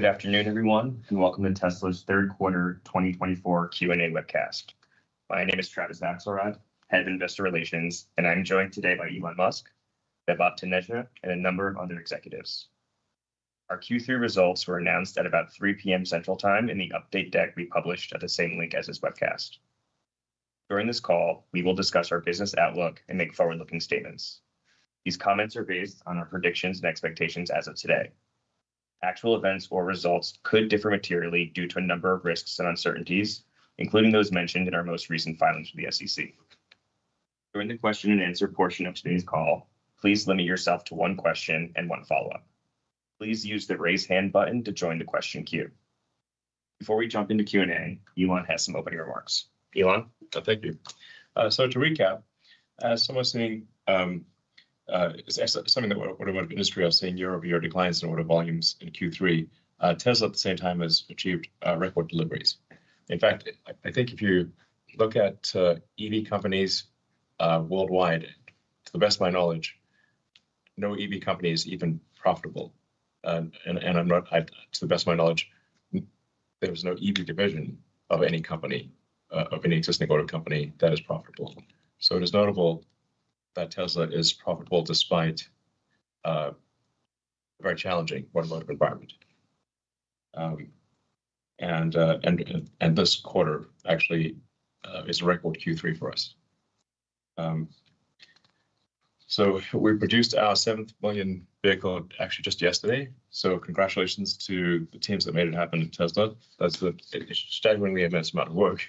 Good afternoon, everyone, and welcome to Tesla's third quarter 2024 Q&A webcast. My name is Travis Axelrod, Head of Investor Relations, and I'm joined today by Elon Musk, Vaibhav Taneja, and a number of other executives. Our Q3 results were announced at about 3:00 P.M. Central Time in the update deck we published at the same link as this webcast. During this call, we will discuss our business outlook and make forward-looking statements. These comments are based on our predictions and expectations as of today. Actual events or results could differ materially due to a number of risks and uncertainties, including those mentioned in our most recent filings with the SEC. During the question-and-answer portion of today's call, please limit yourself to one question and one follow-up. Please use the Raise Hand button to join the question queue. Before we jump into Q&A, Elon has some opening remarks. Elon? Thank you. So to recap, someone saying something about what the industry is saying year-over-year declines in order volumes in Q3. Tesla, at the same time, has achieved record deliveries. In fact, I think if you look at EV companies worldwide, to the best of my knowledge, no EV company is even profitable. And, to the best of my knowledge, there is no EV division of any company of any existing auto company that is profitable. So it is notable that Tesla is profitable despite a very challenging automotive environment. And this quarter actually is a record Q3 for us. So we produced our 7th million vehicle actually just yesterday, so congratulations to the teams that made it happen at Tesla. That's a staggeringly immense amount of work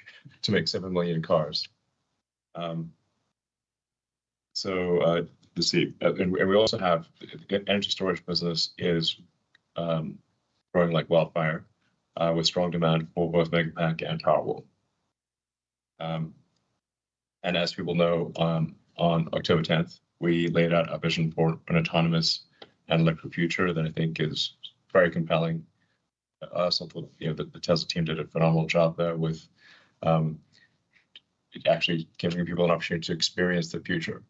to make 7 million cars. So, let's see. And we also have the energy storage business is growing like wildfire with strong demand for both Megapack and Powerwall. And as we will know, on October tenth, we laid out a vision for an autonomous and electric future that I think is very compelling. So, you know, the Tesla team did a phenomenal job there with actually giving people an opportunity to experience the future,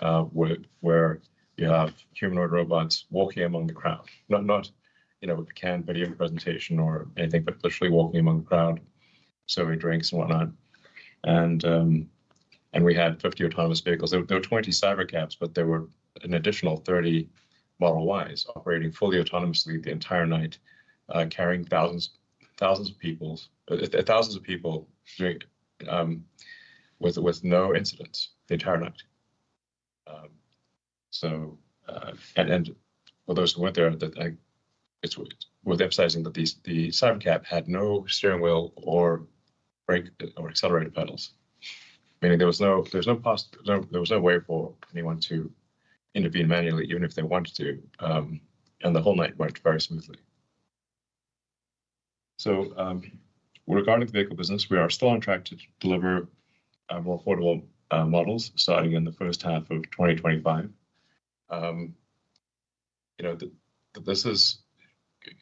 where you have humanoid robots walking among the crowd. Not, you know, with the canned video presentation or anything, but literally walking among the crowd, serving drinks and whatnot. And we had 50 autonomous vehicles. There were 20 Cybercabs, but there were an additional 30 Model Ys operating fully autonomously the entire night, carrying thousands of people, drunk, with no incidents the entire night. And for those who weren't there, it's worth emphasizing that these, the Cybercab had no steering wheel or brake or accelerator pedals. Meaning there was no way for anyone to intervene manually, even if they wanted to, and the whole night worked very smoothly, so regarding the vehicle business, we are still on track to deliver more affordable models starting in the first half of 2025. You know, this is,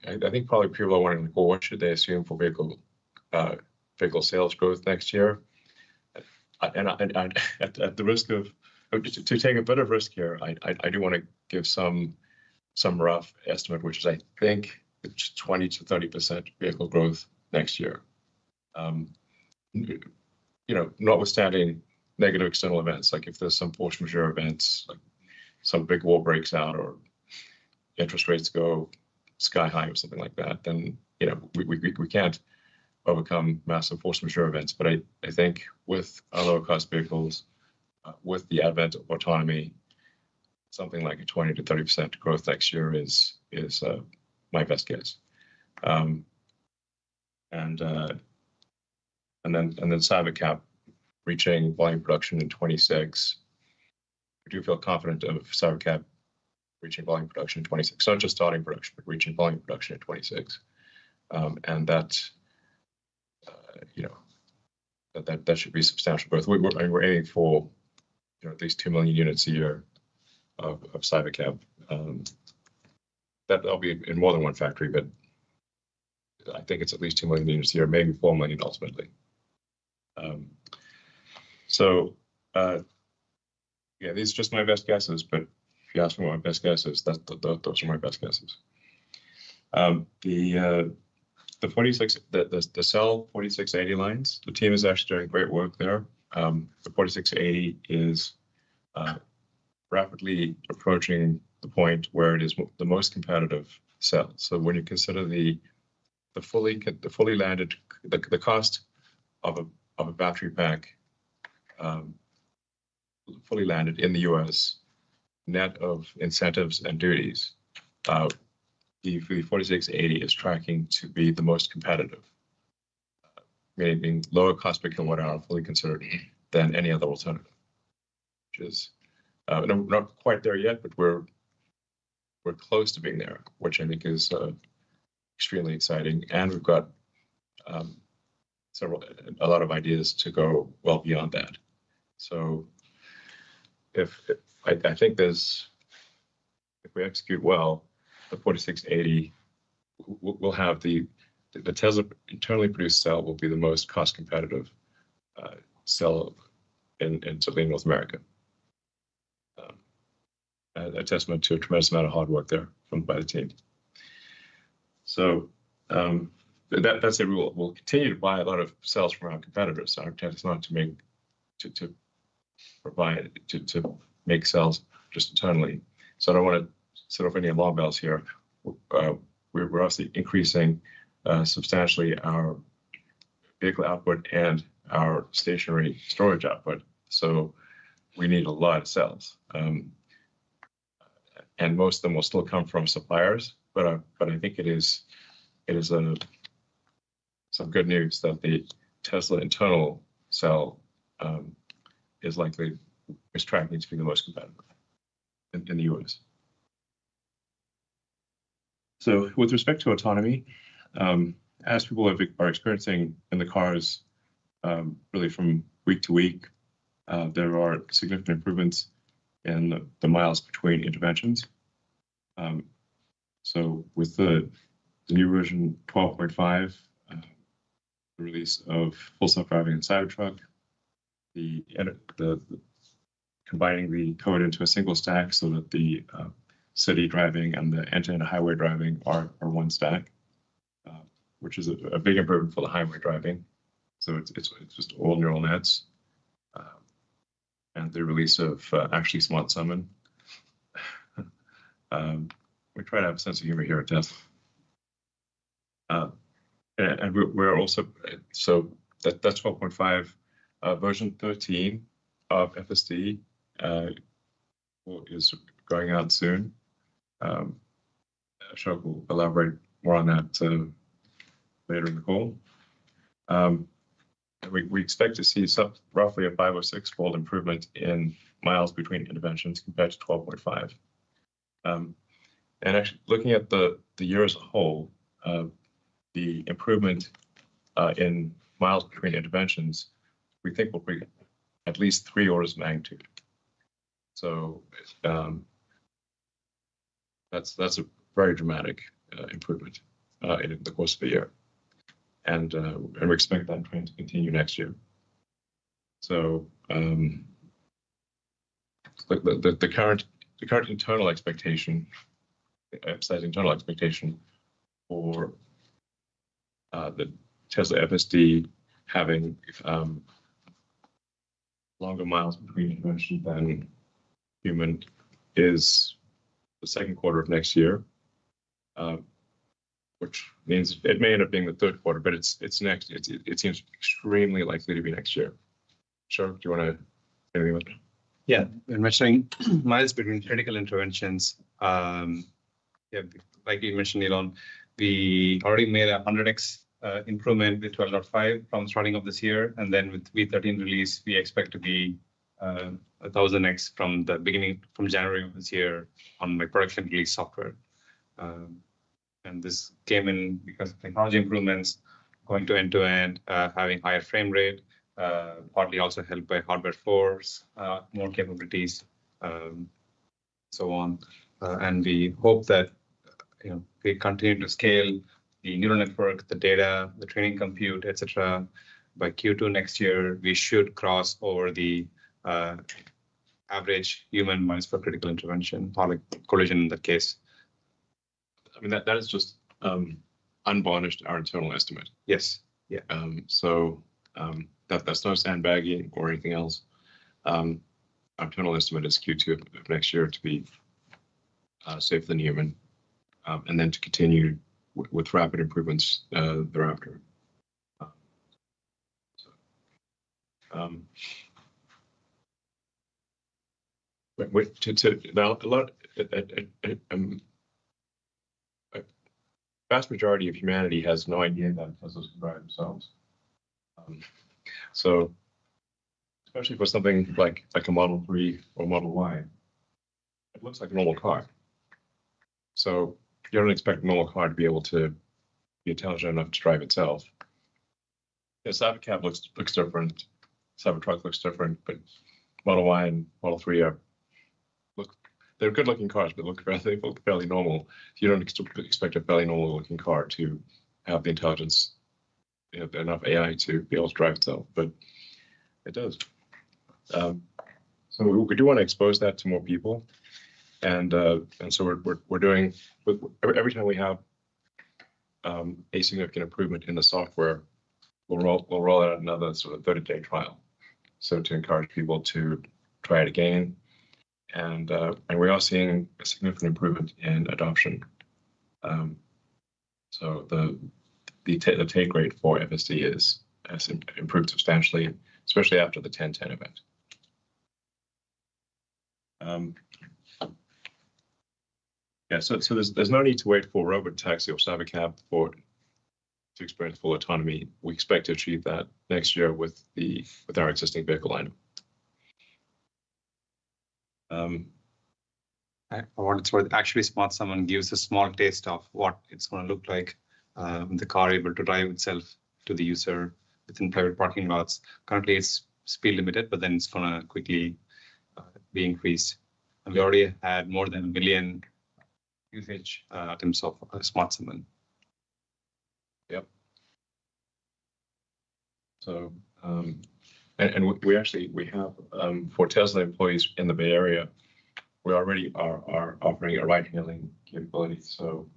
I think probably people are wondering, well, what should they assume for vehicle sales growth next year? And at the risk of taking a bit of risk here, I do wanna give some rough estimate, which is, I think, it's 20%-30% vehicle growth next year. You know, notwithstanding negative external events, like if there's some force majeure events, like some big war breaks out or interest rates go sky high or something like that, then, you know, we can't overcome massive force majeure events. But I think with our lower cost vehicles, with the advent of autonomy, something like a 20%-30% growth next year is my best guess. And then Cybercab reaching volume production in 2026. I do feel confident of Cybercab reaching volume production in 2026. Not just starting production, but reaching volume production in 2026. And that's, you know, that should be substantial growth. We're aiming for, you know, at least 2 million units a year of Cybercab. That'll be in more than one factory, but I think it's at least 2 million units a year, maybe 4 million, ultimately. So, yeah, these are just my best guesses, but if you ask me my best guesses, those are my best guesses. The 4680 cell lines, the team is actually doing great work there. The 4680 is rapidly approaching the point where it is the most competitive cell. So when you consider the fully landed cost of a battery pack, fully landed in the U.S., net of incentives and duties, the 4680 is tracking to be the most competitive. Meaning lower cost per kWh, fully considered, than any other alternative, which is... We're not quite there yet, but we're close to being there, which I think is extremely exciting. And we've got a lot of ideas to go well beyond that. So if we execute well, the 4680, the Tesla internally produced cell will be the most cost-competitive cell in certainly North America, a testament to a tremendous amount of hard work there by the team. So that's it. We will, we'll continue to buy a lot of cells from our competitors. Our intent is not to make cells just internally. So I don't wanna set off any alarm bells here. We're obviously increasing substantially our vehicle output and our stationary storage output, so we need a lot of cells, and most of them will still come from suppliers, but I think it is some good news that the Tesla internal cell is likely tracking to be the most competitive in the U.S., so with respect to autonomy, as people are experiencing in the cars, really from week to week, there are significant improvements in the miles between interventions. So with the new version 12.5, the release of Full Self-Driving and Cybertruck, the combining the code into a single stack so that the city driving and the end-to-end highway driving are one stack, which is a big improvement for the highway driving. So it's just all neural nets. And the release of Actually Smart Summon. We try to have a sense of humor here at Tesla, so that's 12.5. Version 13 of FSD is going out soon. I'm sure we'll elaborate more on that later in the call. And we expect to see some roughly a five- or six-fold improvement in miles between interventions compared to 12.5. And actually, looking at the year as a whole, the improvement in miles between interventions, we think will be at least three orders of magnitude. So, that's a very dramatic improvement in the course of a year. And we expect that trend to continue next year. So, the current internal expectation for the Tesla FSD having longer miles between interventions than human is the second quarter of next year. Which means it may end up being the third quarter, but it's next. It seems extremely likely to be next year. Ashok, do you wanna say anything about that? Yeah. In measuring miles between critical interventions, yeah, like you mentioned, Elon, we already made a hundred X improvement with 12.5 from the starting of this year, and then with V13 release, we expect to be a thousand X from the beginning, from January of this year on my production release software. And this came in because of technology improvements, going to end-to-end, having higher frame rate, partly also helped by Hardware 4's more capabilities, so on. And we hope that, you know, we continue to scale the neural network, the data, the training, compute, et cetera. By Q2 next year, we should cross over the average human miles per critical intervention, public collision in that case. I mean, that, that is just unvarnished, our internal estimate. Yes. Yeah. So, that's not sandbagging or anything else. Our internal estimate is Q2 next year to be safer than human, and then to continue with rapid improvements thereafter. But wait, now, a vast majority of humanity has no idea that Tesla's drive themselves. So especially for something like a Model 3 or Model Y, it looks like a normal car. So you don't expect a normal car to be able to be intelligent enough to drive itself. The Cybercab looks different, Cybertruck looks different, but Model Y and Model 3 they're good-looking cars, but look, they look fairly normal. You don't expect a fairly normal-looking car to have the intelligence, have enough AI to be able to drive itself, but it does. We do want to expose that to more people, and so we're doing every time we have a significant improvement in the software. We'll roll out another sort of 30-day trial to encourage people to try it again. We are seeing a significant improvement in adoption. The take rate for FSD has improved substantially, especially after the 10.10 event. There's no need to wait for robotaxi or Cybercab to experience full autonomy. We expect to achieve that next year with our existing vehicle line. I want to sort of actually Smart Summon gives a small taste of what it's gonna look like, with the car able to drive itself to the user within private parking lots. Currently, it's speed limited, but then it's gonna quickly be increased. And we already had more than a billion usage terms of Smart Summon. Yep. So, and we actually have for Tesla employees in the Bay Area, we already are offering a ride-hailing capability. So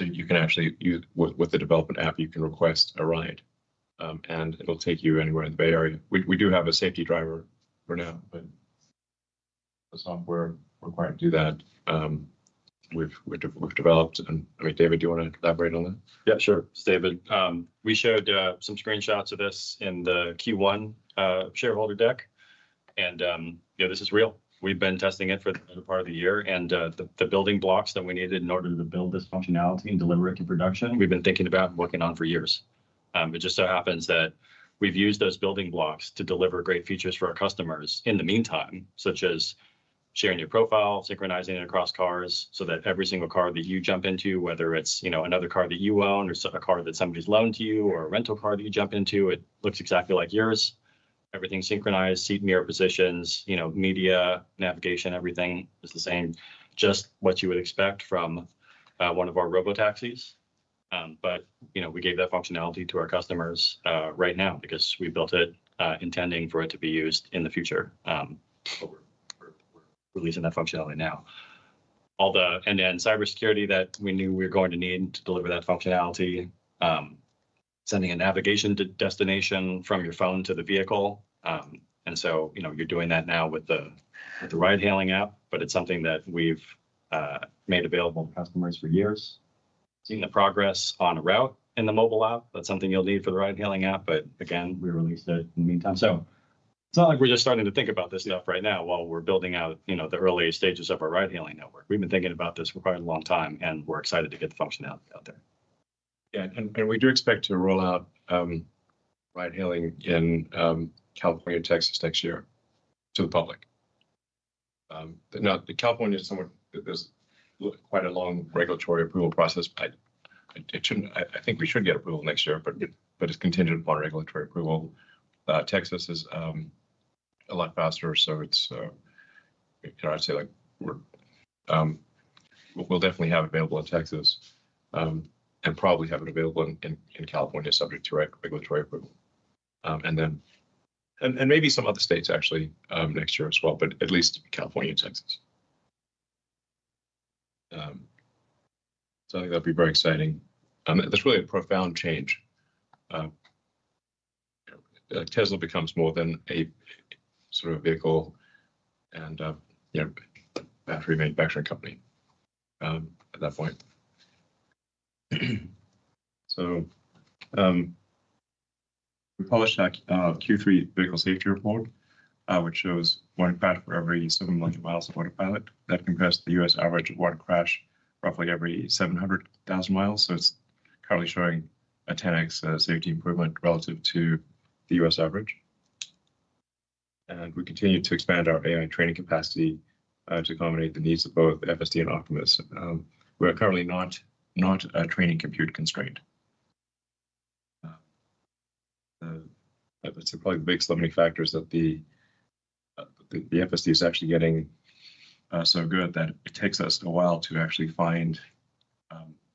you can actually use with the development app, you can request a ride, and it'll take you anywhere in the Bay Area. We do have a safety driver for now, but the software required to do that, we've developed. And, I mean, David, do you wanna elaborate on that? Yeah, sure. It's David. We showed some screenshots of this in the Q1 shareholder deck, and yeah, this is real. We've been testing it for the better part of the year, and the building blocks that we needed in order to build this functionality and deliver it to production, we've been thinking about and working on for years. It just so happens that we've used those building blocks to deliver great features for our customers in the meantime, such as sharing your profile, synchronizing it across cars, so that every single car that you jump into, whether it's, you know, another car that you own or so a car that somebody's loaned to you, or a rental car that you jump into, it looks exactly like yours. Everything's synchronized, seat, mirror positions, you know, media, navigation, everything is the same, just what you would expect from one of our robotaxis. But you know, we gave that functionality to our customers right now because we built it intending for it to be used in the future. But we're releasing that functionality now. All the and then cybersecurity that we knew we were going to need to deliver that functionality, sending a navigation to destination from your phone to the vehicle. And so, you know, you're doing that now with the ride-hailing app, but it's something that we've made available to customers for years. Seeing the progress on a route in the mobile app, that's something you'll need for the ride-hailing app, but again, we released it in the meantime. So it's not like we're just starting to think about this stuff right now while we're building out, you know, the early stages of our ride-hailing network. We've been thinking about this for quite a long time, and we're excited to get the functionality out there. Yeah, and we do expect to roll out ride-hailing in California and Texas next year to the public. Now, California is somewhat, there's quite a long regulatory approval process. I think we should get approval next year, but it's contingent upon regulatory approval. Texas is a lot faster, so it's, can I say, like, we'll definitely have it available in Texas, and probably have it available in California, subject to regulatory approval. And then maybe some other states, actually, next year as well, but at least California and Texas. So I think that'll be very exciting. That's really a profound change. Tesla becomes more than a sort of vehicle and, you know, battery manufacturing company, at that point. We published our Q3 Vehicle Safety Report, which shows one crash for every 7 million miles of Autopilot. That compares to the U.S. average of one crash roughly every 700,000 miles, so it's currently showing a 10X safety improvement relative to the U.S. average. We continue to expand our AI training capacity to accommodate the needs of both FSD and Optimus. We're currently not a training compute constraint. It's probably the big limiting factors that the FSD is actually getting so good that it takes us a while to actually find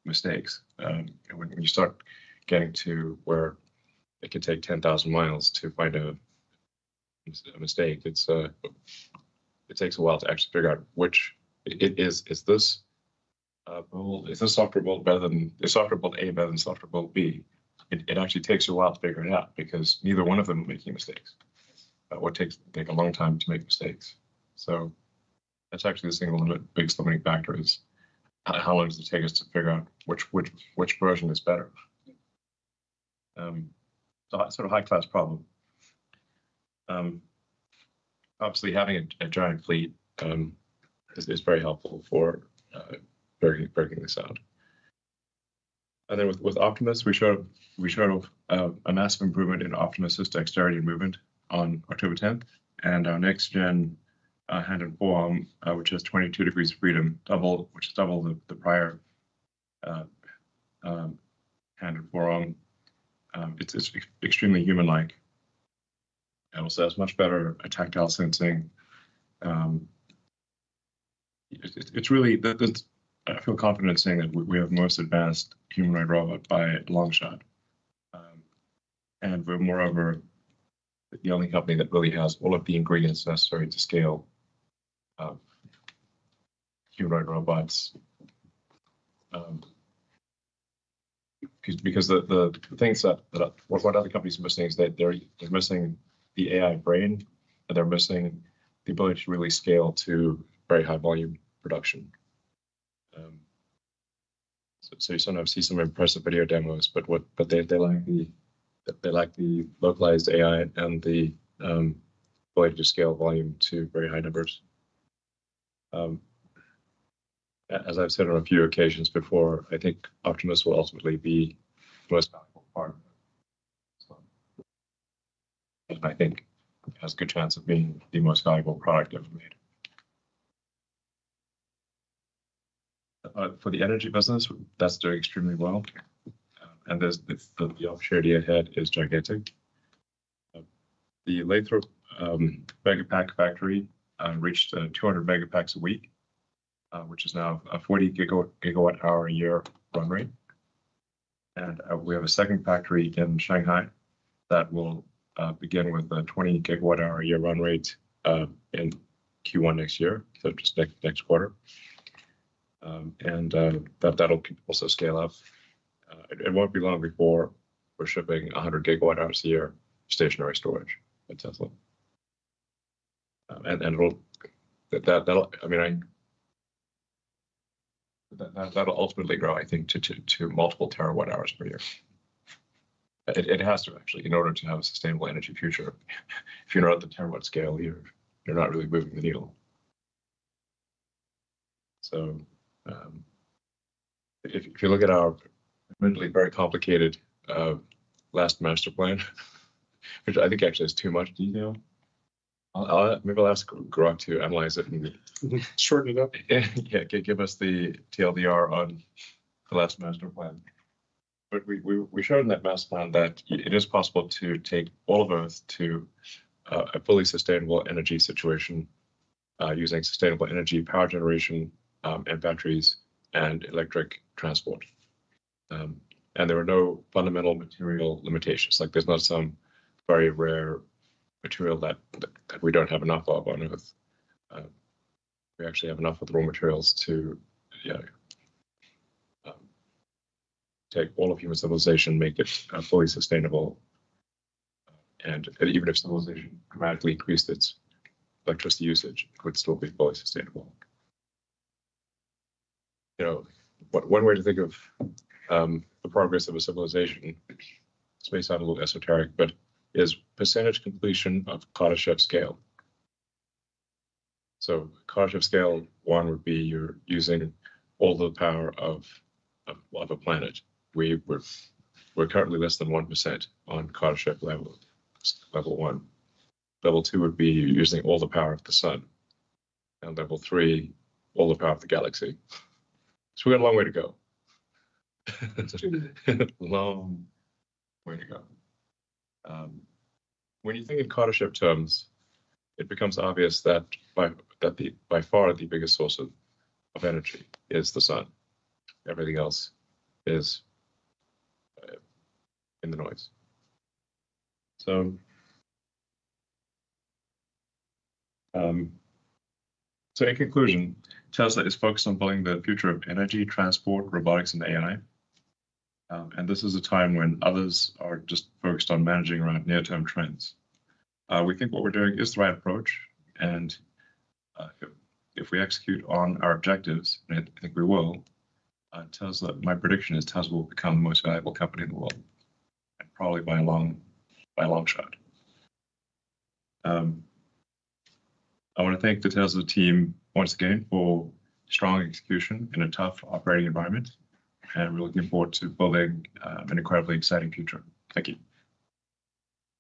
mistakes. When you start getting to where it can take 10,000 miles to find a mistake, it takes a while to actually figure out which. It is, is this build? Is this software build A better than software build B? It actually takes a while to figure it out because neither one of them are making mistakes. What takes a long time to make mistakes. So that's actually the single one of the big limiting factor, is how long does it take us to figure out which version is better? So that sort of high-class problem. Obviously, having a giant fleet is very helpful for breaking this out. And then with Optimus, we showed a massive improvement in Optimus's dexterity and movement on October tenth, and our next-gen hand and forearm, which has 22 degrees of freedom, which is double the prior hand and forearm. It's extremely human-like, and also has much better tactile sensing. It's really. I feel confident saying that we have the most advanced humanoid robot by a long shot, and we're moreover the only company that really has all of the ingredients necessary to scale humanoid robots because the things that what other companies are missing is that they're missing the AI brain, and they're missing the ability to really scale to very high volume production, so you sometimes see some impressive video demos, but they lack the localized AI and the ability to scale volume to very high numbers. As I've said on a few occasions before, I think Optimus will ultimately be the most valuable part. So I think it has a good chance of being the most valuable product ever made. For the energy business, that's doing extremely well, and there's the opportunity ahead is gigantic. The Lathrop Megapack factory reached 200 Megapacks a week, which is now a 40 GWh a year run rate. And we have a second factory in Shanghai that will begin with a 20 gigawatt hour a year run rate in Q1 next year, so just next quarter. And that'll also scale up. It won't be long before we're shipping 100 GWh a year stationary storage at Tesla. And that'll, I mean, that'll ultimately grow, I think, to multiple terawatt hours per year. It has to, actually, in order to have a sustainable energy future. If you're not at the terawatt scale, you're not really moving the needle. So, if you look at our admittedly very complicated last Master Plan, which I think actually has too much detail. I'll maybe ask Grok to analyze it and give us the TLDR on the last Master Plan. But we showed in that Master Plan that it is possible to take all of Earth to a fully sustainable energy situation, using sustainable energy power generation, and batteries, and electric transport. And there are no fundamental material limitations, like there's not some very rare material that we don't have enough of on Earth. We actually have enough of the raw materials to take all of human civilization, make it fully sustainable, and even if civilization dramatically increased its electricity usage, it could still be fully sustainable. You know, one way to think of the progress of a civilization, this may sound a little esoteric, but is percentage completion of Kardashev Scale. So, Kardashev Scale one would be you're using all the power of a planet. We're currently less than 1% on Kardashev level one. Level two would be you're using all the power of the sun, and level three, all the power of the galaxy. So we've got a long way to go. It's true. A long way to go. When you think in Kardashev terms, it becomes obvious that by far the biggest source of energy is the sun. Everything else is in the noise. So in conclusion, Tesla is focused on building the future of energy transport, robotics, and AI. And this is a time when others are just focused on managing around near-term trends. We think what we're doing is the right approach, and if we execute on our objectives, and I think we will, My prediction is Tesla will become the most valuable company in the world, and probably by a long shot. I wanna thank the Tesla team once again for strong execution in a tough operating environment, and we're looking forward to building an incredibly exciting future. Thank you.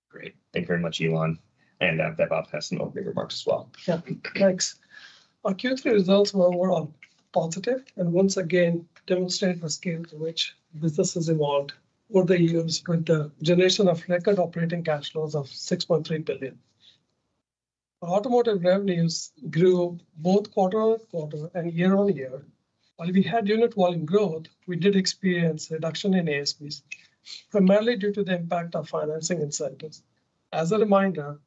Great. Thank you very much, Elon, and Vaibhav has some opening remarks as well. Yeah, thanks. Our Q3 results were overall positive, and once again, demonstrated the scale to which businesses evolved over the years with the generation of record operating cash flows of $6.3 billion. Automotive revenues grew both quarter on quarter and year-on-year. While we had unit volume growth, we did experience reduction in ASPs, primarily due to the impact of financing incentives. As a reminder,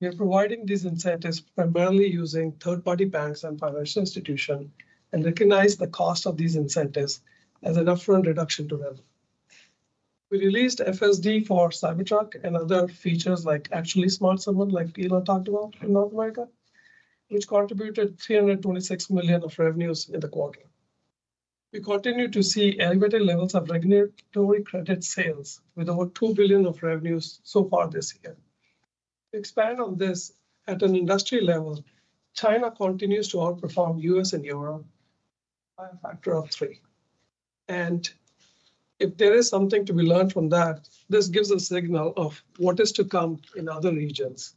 we are providing these incentives primarily using third-party banks and financial institution, and recognize the cost of these incentives as an upfront reduction to revenue. We released FSD for Cybertruck and other features like Actually Smart Summon, like Elon talked about in North America, which contributed $326 million of revenues in the quarter. We continue to see elevated levels of regulatory credit sales, with over $2 billion of revenues so far this year. To expand on this, at an industry level, China continues to outperform U.S. and Europe by a factor of three, and if there is something to be learned from that, this gives a signal of what is to come in other regions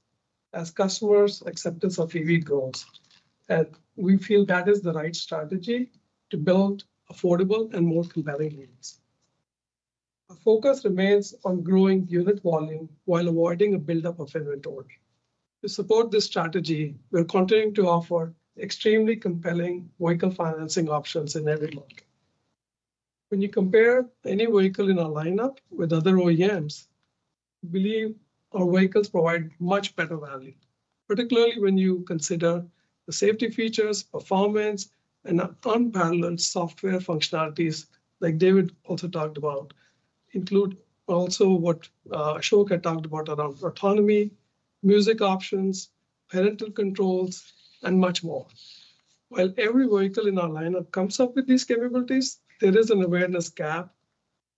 as customers' acceptance of EV grows, and we feel that is the right strategy to build affordable and more compelling EVs. Our focus remains on growing unit volume while avoiding a buildup of inventory. To support this strategy, we're continuing to offer extremely compelling vehicle financing options in every market. When you compare any vehicle in our lineup with other OEMs, we believe our vehicles provide much better value, particularly when you consider the safety features, performance, and unparalleled software functionalities, like what David also talked about, including what Ashok had talked about around autonomy, music options, parental controls, and much more. While every vehicle in our lineup comes up with these capabilities, there is an awareness gap,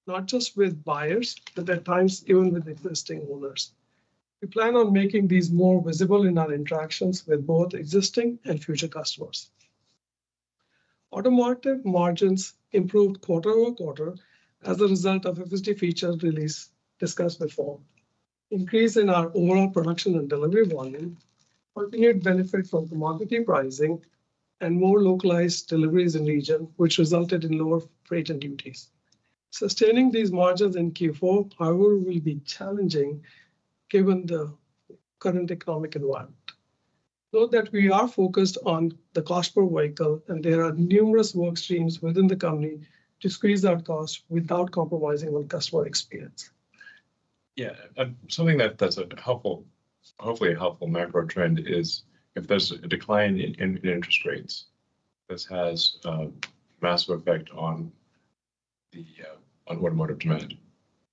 not just with buyers, but at times, even with existing owners. We plan on making these more visible in our interactions with both existing and future customers. Automotive margins improved quarter over quarter as a result of FSD features release discussed before, increase in our overall production and delivery volume, continued benefit from commodity pricing, and more localized deliveries in region, which resulted in lower freight and duties. Sustaining these margins in Q4, however, will be challenging, given the current economic environment. Note that we are focused on the cost per vehicle, and there are numerous work streams within the company to squeeze our costs without compromising on customer experience. Yeah, something that that's a helpful, hopefully a helpful macro trend is if there's a decline in interest rates, this has massive effect on the automotive demand.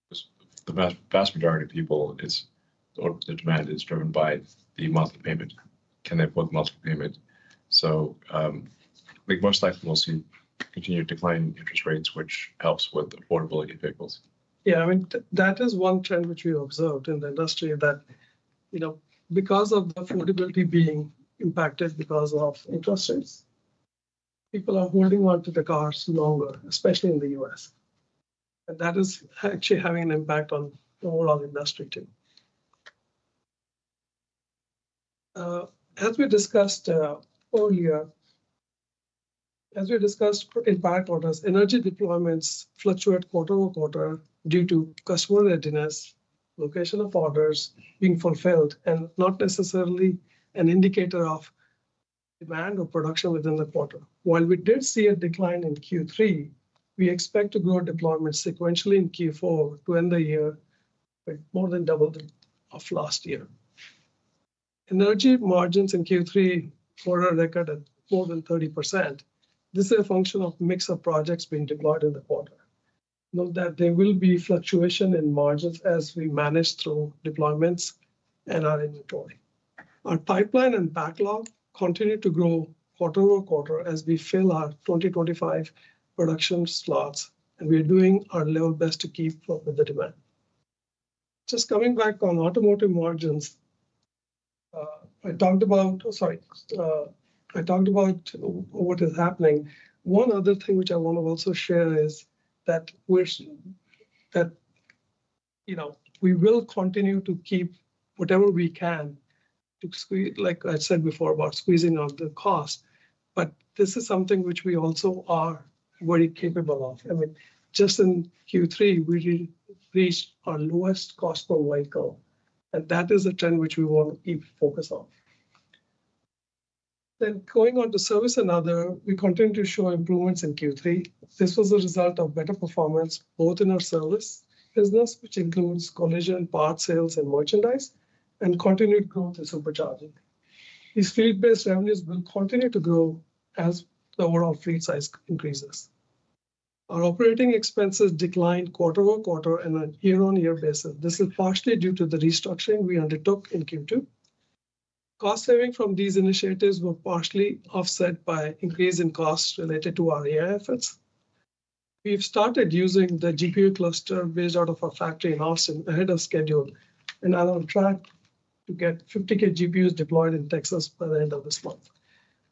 'Cause the vast majority of people, or the demand is driven by the monthly payment. Can they afford the monthly payment? So, we most likely will see continued decline in interest rates, which helps with affordability of vehicles. Yeah, I mean, that is one trend which we observed in the industry, that, you know, because of the affordability being impacted because of interest rates, people are holding on to the cars longer, especially in the U.S., and that is actually having an impact on the overall industry, too. As we discussed earlier, as we discussed in back orders, energy deployments fluctuate quarter over quarter due to customer readiness, location of orders being fulfilled, and not necessarily an indicator of demand or production within the quarter. While we did see a decline in Q3, we expect to grow deployment sequentially in Q4 to end the year with more than double of last year. Energy margins in Q3 were a record at more than 30%. This is a function of mix of projects being deployed in the quarter. Note that there will be fluctuation in margins as we manage through deployments and our inventory. Our pipeline and backlog continue to grow quarter over quarter as we fill our 2025 production slots, and we are doing our level best to keep up with the demand. Just coming back on automotive margins, I talked about what is happening. One other thing which I wanna also share is that, you know, we will continue to keep whatever we can like I said before, about squeezing out the cost, but this is something which we also are very capable of. I mean, just in Q3, we reached our lowest cost per vehicle, and that is a trend which we want to keep focus on. Then, going on to Service and Other, we continue to show improvements in Q3. This was a result of better performance both in our service business, which includes collision, parts, sales, and merchandise, and continued growth in Supercharging. These fleet-based revenues will continue to grow as the overall fleet size increases. Our operating expenses declined quarter over quarter and on a year-on-year basis. This is partially due to the restructuring we undertook in Q2. Cost saving from these initiatives were partially offset by increase in costs related to our AI efforts. We've started using the GPU cluster based out of our factory in Austin ahead of schedule, and are on track to get 50K GPUs deployed in Texas by the end of this month.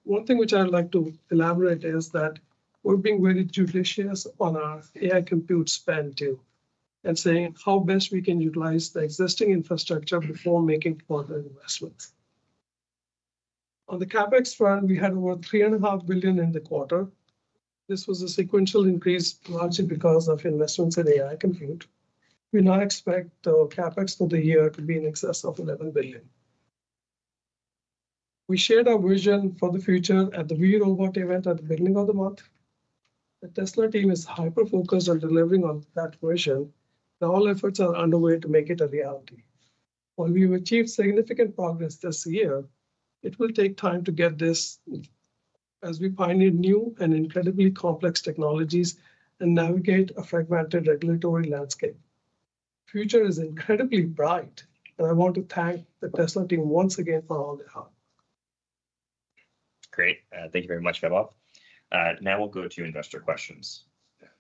One thing which I'd like to elaborate is that we're being very judicious on our AI compute spend, too, and seeing how best we can utilize the existing infrastructure before making further investments. On the CapEx front, we had over $3.5 billion in the quarter. This was a sequential increase, largely because of investments in AI compute. We now expect the CapEx for the year to be in excess of $11 billion. We shared our vision for the future at the We, Robot event at the beginning of the month. The Tesla team is hyper-focused on delivering on that vision. Now, all efforts are underway to make it a reality. While we've achieved significant progress this year, it will take time to get this, as we pioneer new and incredibly complex technologies and navigate a fragmented regulatory landscape. The future is incredibly bright, and I want to thank the Tesla team once again for all their hard work. Great. Thank you very much, Vaibhav. Now we'll go to investor questions.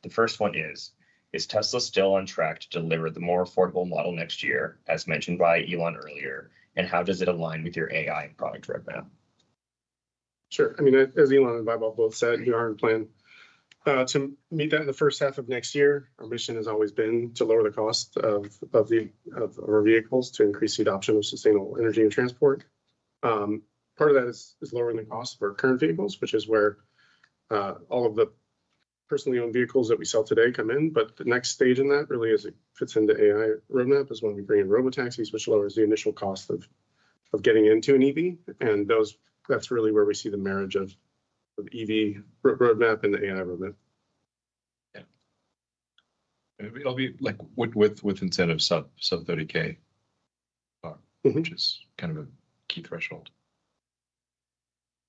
The first one is: Is Tesla still on track to deliver the more affordable model next year, as mentioned by Elon earlier, and how does it align with your AI product roadmap? Sure. I mean, as Elon and Vaibhav both said, we are in plan to meet that in the first half of next year. Our mission has always been to lower the cost of our vehicles, to increase the adoption of sustainable energy and transport. Part of that is lowering the cost of our current vehicles, which is where all of the personally owned vehicles that we sell today come in. But the next stage in that really, as it fits into AI roadmap, is when we bring in robotaxis, which lowers the initial cost of getting into an EV. And that's really where we see the marriage of EV roadmap and the AI roadmap. Yeah. It'll be, like, with incentive sub thirty K car which is kind of a key threshold.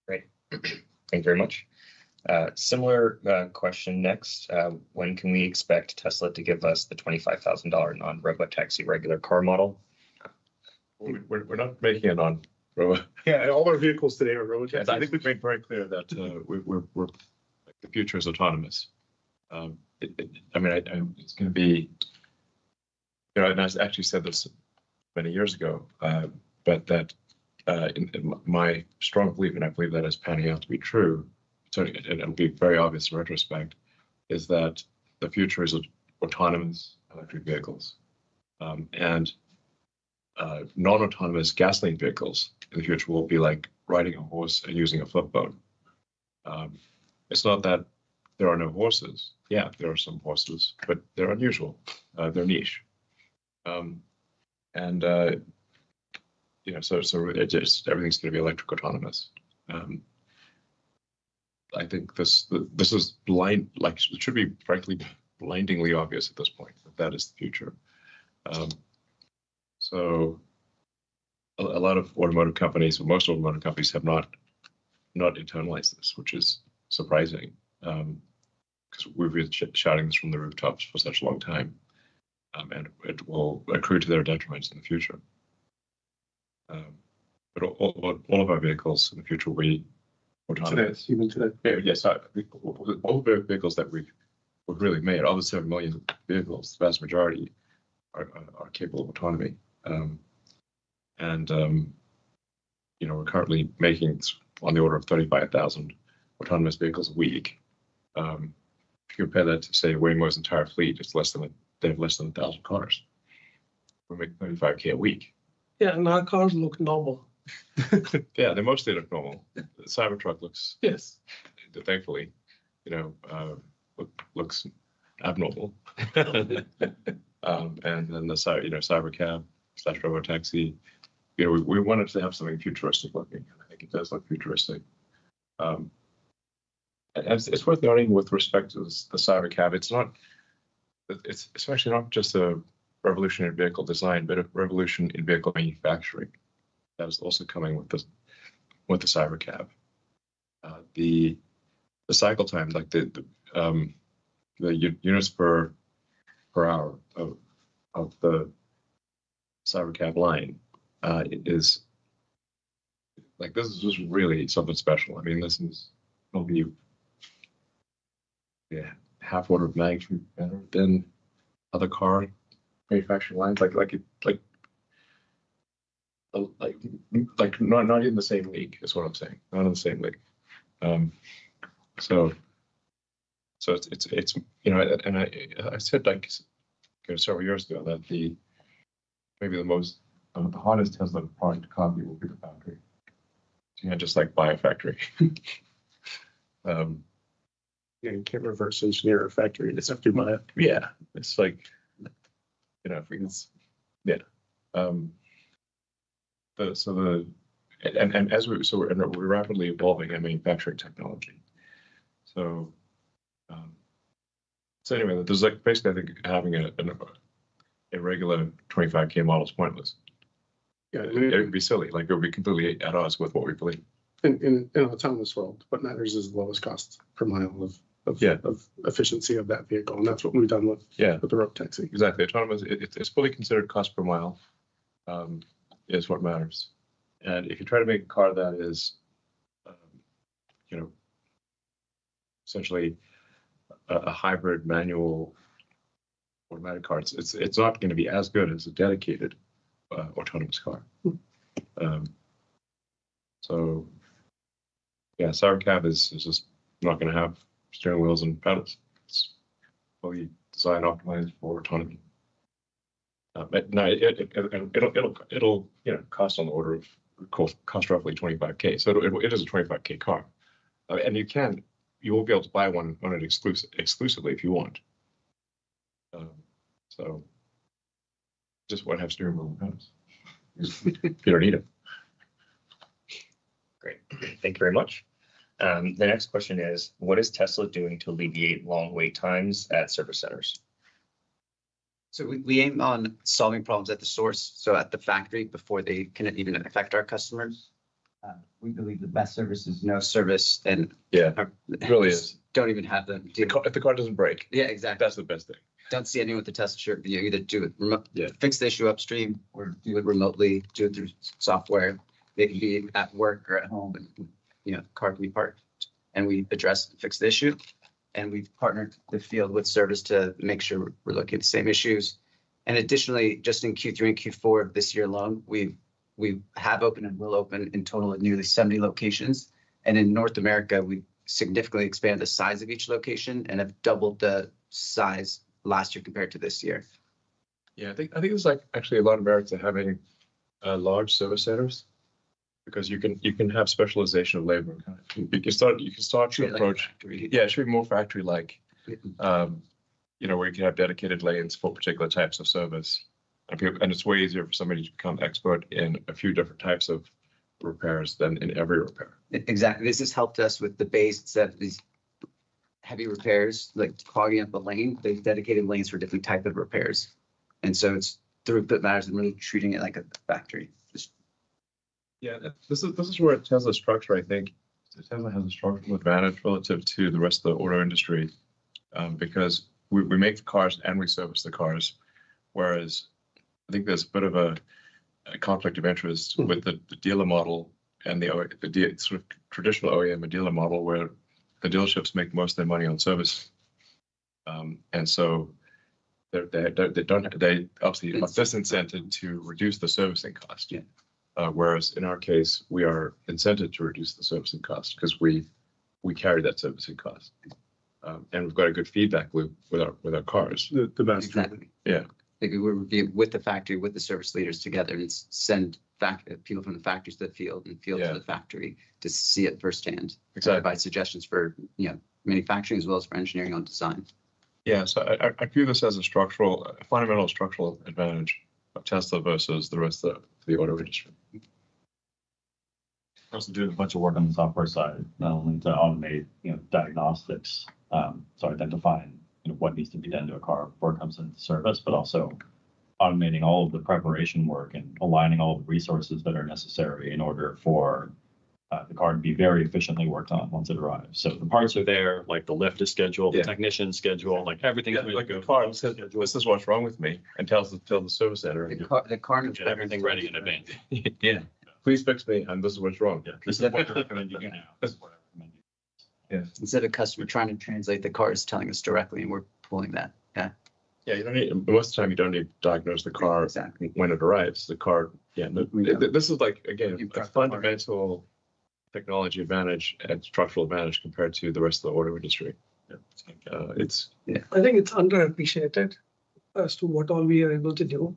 Great. Thank you very much. Similar question next: When can we expect Tesla to give us the $25,000 non-robotaxi regular car model? We're not making a non-robotaxi. Yeah, all our vehicles today are robotaxis. I think we've made it very clear that we're like the future is autonomous. I mean, it's gonna be. You know, and I actually said this many years ago, but my strong belief, and I believe that is panning out to be true, so, and it'll be very obvious in retrospect, is that the future is of autonomous electric vehicles. And the non-autonomous gasoline vehicles in the future will be like riding a horse and using a flip phone. It's not that there are no horses. Yeah, there are some horses, but they're unusual, they're niche. And, you know, so just everything's gonna be electric autonomous. I think this is blind, like, it should be frankly blindingly obvious at this point, that that is the future. So a lot of automotive companies, or most automotive companies have not internalized this, which is surprising, 'cause we've been shouting this from the rooftops for such a long time. And it will accrue to their detriment in the future. But all of our vehicles in the future will be autonomous. Excuse me, today? Yeah. Yeah, so all the vehicles that we've really made, all the seven million vehicles, the vast majority are capable of autonomy. And you know, we're currently making on the order of 35,000 autonomous vehicles a week. If you compare that to, say, Waymo's entire fleet, it's less than a- they have less than 1,000 cars. We make 35k a week. Yeah, and our cars look normal. Yeah, they mostly look normal. The Cybertruck looks thankfully, you know, looks abnormal. And then the, you know, Cybercab/Robotaxi, you know, we wanted to have something futuristic looking, and I think it does look futuristic. And it's worth noting with respect to the, the Cybercab, it's actually not just a revolutionary vehicle design, but a revolution in vehicle manufacturing that is also coming with the, with the Cybercab. The cycle time, like the units per hour of the Cybercab line is. Like, this is just really something special. I mean, this is maybe, yeah, half order of magnitude better than other car manufacturing lines. Like not in the same league, is what I'm saying. Not in the same league. So it's, you know, and I, I said, like, several years ago that the, maybe the most, the hardest Tesla product to copy will be the factory. You know, just, like, buy a factory. Yeah, you can't reverse engineer a factory. Just have to buy it. Yeah. It's like, you know, if we can... Yeah, but so and as we so we're rapidly evolving our manufacturing technology, so anyway, there's like, basically, I think having a regular 25 K model is pointless. Yeah. It would be silly, like it would be completely at odds with what we believe. In an autonomous world, what matters is the lowest cost per mile of efficiency of that vehicle, and that's what we've done with the Robotaxi. Exactly. Autonomous, it's fully considered cost per mile is what matters. And if you try to make a car that is, you know, essentially a hybrid manual automatic car, it's not gonna be as good as a dedicated autonomous car. So yeah, Cybercab is just not gonna have steering wheels and pedals. It's fully design optimized for autonomy. But no, it'll, you know, cost on the order of, cost roughly $25,000, so it is a $25,000 car. And you will be able to buy one, own it exclusively if you want. So just won't have steering wheel and pedals. You don't need them. Great, thank you very much. The next question is, what is Tesla doing to alleviate long wait times at service centers? So we aim on solving problems at the source, so at the factory, before they can even affect our customers. We believe the best service is no service. Yeah, it really is. If the car doesn't break- Yeah, exactly. That's the best thing. Don't see anyone with a Tesla shirt. You either do it remote fix the issue upstream, or do it remotely, do it through software, maybe at work or at home, and, you know, car can be parked. And we address, fix the issue, and we've partnered the field with service to make sure we're looking at the same issues. And additionally, just in Q3 and Q4 of this year alone, we've opened and will open in total of nearly 70 locations, and in North America, we significantly expanded the size of each location and have doubled the size last year compared to this year. Yeah, I think there's, like, actually a lot of merits to having large service centers because you can have specialization of labor. You can start to approach and treat it more factory-like. You know, where you can have dedicated lanes for particular types of service, and it's way easier for somebody to become expert in a few different types of repairs than in every repair. Exactly. This has helped us with the base of these heavy repairs, like clogging up the lane. They have dedicated lanes for different type of repairs, and so it's throughput matters and really treating it like a factory. Yeah, this, this is where Tesla's structure, I think, Tesla has a structural advantage relative to the rest of the auto industry, because we make the cars, and we service the cars, whereas I think there's a bit of a conflict of interest with the dealer model and the OEM, sort of traditional OEM and dealer model, where the dealerships make most of their money on service, and so they don't have. They obviously are disincentivized to reduce the servicing cost. Yeah. Whereas in our case, we are incentivized to reduce the servicing cost 'cause we carry that servicing cost, and we've got a good feedback with our cars. The best. Exactly. Yeah. Like, we're with the factory, with the service leaders together, and send back people from the factories to the field, and field to the factory to see it firsthand. Exactly. Provide suggestions for, you know, manufacturing as well as for engineering on design. Yeah, so I view this as a structural, a fundamental structural advantage of Tesla versus the rest of the auto industry. Also doing a bunch of work on the software side, not only to automate, you know, diagnostics, so identifying, you know, what needs to be done to a car before it comes into service, but also automating all of the preparation work and aligning all the resources that are necessary in order for the car to be very efficiently worked on once it arrives. So the parts are there, like the lift is scheduled, the technician's scheduled, like everything. Yeah, like the car says, "This is what's wrong with me," and tells the service center already. The car gets everything ready in advance. Yeah. Please fix me, and this is what's wrong. Yeah. This is what I recommend you do now. Yeah. Instead of a customer trying to translate, the car is telling us directly, and we're pulling that. Yeah. Yeah, you don't need. Most of the time, you don't need to diagnose the car when it arrives. We know you've got the car. This is like, again, a fundamental technology advantage and structural advantage compared to the rest of the auto industry. Yeah. I think it's underappreciated as to what all we are able to do.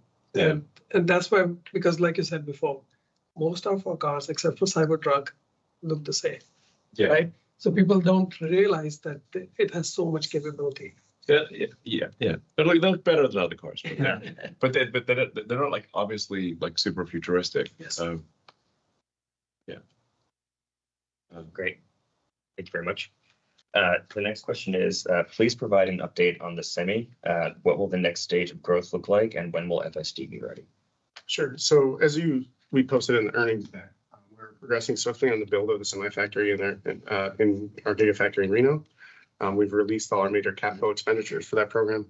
That's why, because like you said before, most of our cars, except for Cybertruck, look the same. Yeah. Right? So people don't realize that it has so much capability. Yeah, yeah, yeah. But look, they look better than other cars. Yeah. But they're not, like, obviously, like, super futuristic. Yes. So yeah. Great. Thank you very much. The next question is, please provide an update on the Semi. What will the next stage of growth look like, and when will FSD be ready? Sure. So as we posted in the earnings that, we're progressing swiftly on the build of the Semi factory and our data factory in Reno. We've released all our major capital expenditures for that program,